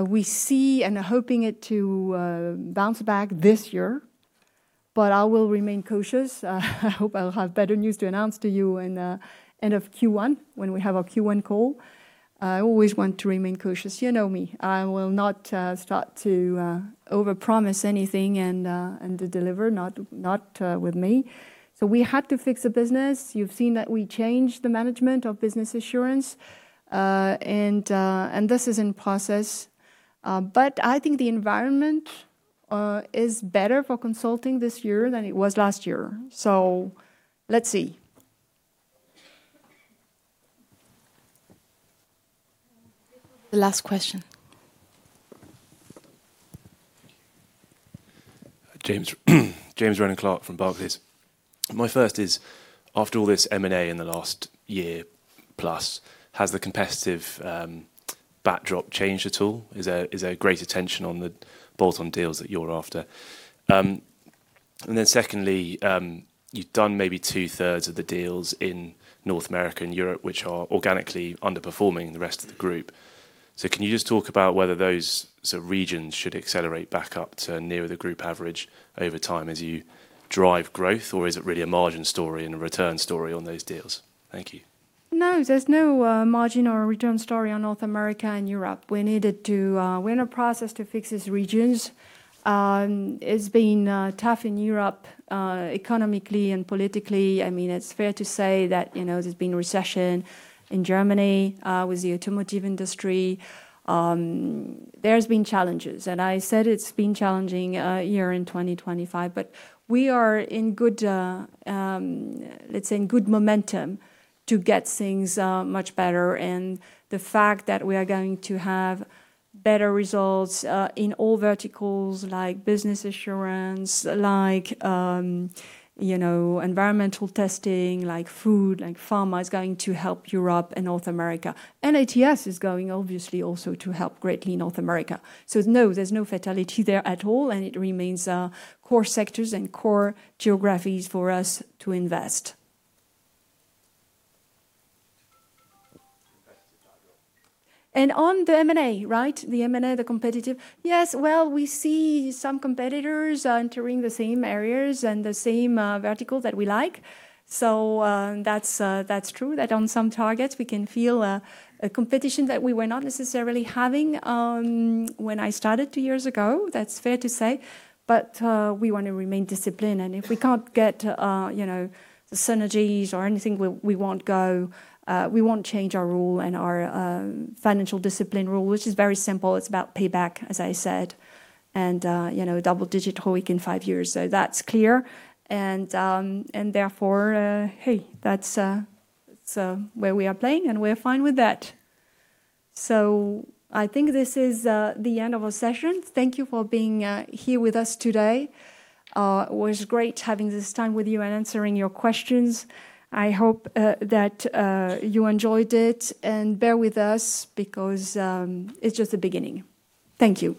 [SPEAKER 1] We see and are hoping it to bounce back this year, but I will remain cautious. I hope I'll have better news to announce to you in end of Q1, when we have our Q1 call. I always want to remain cautious. You know me. I will not start to overpromise anything and underdeliver, not with me. So we had to fix the business. You've seen that we changed the management of business assurance, and this is in process. But I think the environment is better for consulting this year than it was last year. So let's see. The last question.
[SPEAKER 16] James Rowland Clark from Barclays. My first is, after all this M&A in the last year plus, has the competitive backdrop changed at all? Is there greater tension on the bolt-on deals that you're after? And then secondly, you've done maybe two-thirds of the deals in North America and Europe, which are organically underperforming the rest of the group. So can you just talk about whether those sort of regions should accelerate back up to nearer the group average over time as you drive growth, or is it really a margin story and a return story on those deals? Thank you.
[SPEAKER 1] No, there's no margin or return story on North America and Europe. We needed to. We're in a process to fix these regions. It's been tough in Europe, economically and politically. I mean, it's fair to say that, you know, there's been recession in Germany, with the automotive industry. There's been challenges, and I said it's been challenging year in 2025. But we are in good, let's say in good momentum to get things much better. And the fact that we are going to have better results in all verticals, like business assurance, like, you know, environmental testing, like food, like pharma, is going to help Europe and North America. ATS is going, obviously, also to help greatly in North America. So no, there's no fatality there at all, and it remains core sectors and core geographies for us to invest. Competitive target. And on the M&A, right? The M&A, the competitive. Yes, well, we see some competitors entering the same areas and the same vertical that we like. So, that's true, that on some targets, we can feel a competition that we were not necessarily having when I started two years ago. That's fair to say. But we want to remain disciplined, and if we can't get you know the synergies or anything, we won't go. We won't change our rule and our financial discipline rule, which is very simple. It's about payback, as I said, and you know double-digit ROIC in five years. So that's clear, and therefore, hey, that's where we are playing, and we're fine with that. So I think this is the end of our session. Thank you for being here with us today. It was great having this time with you and answering your questions. I hope that you enjoyed it, and bear with us because it's just the beginning. Thank you.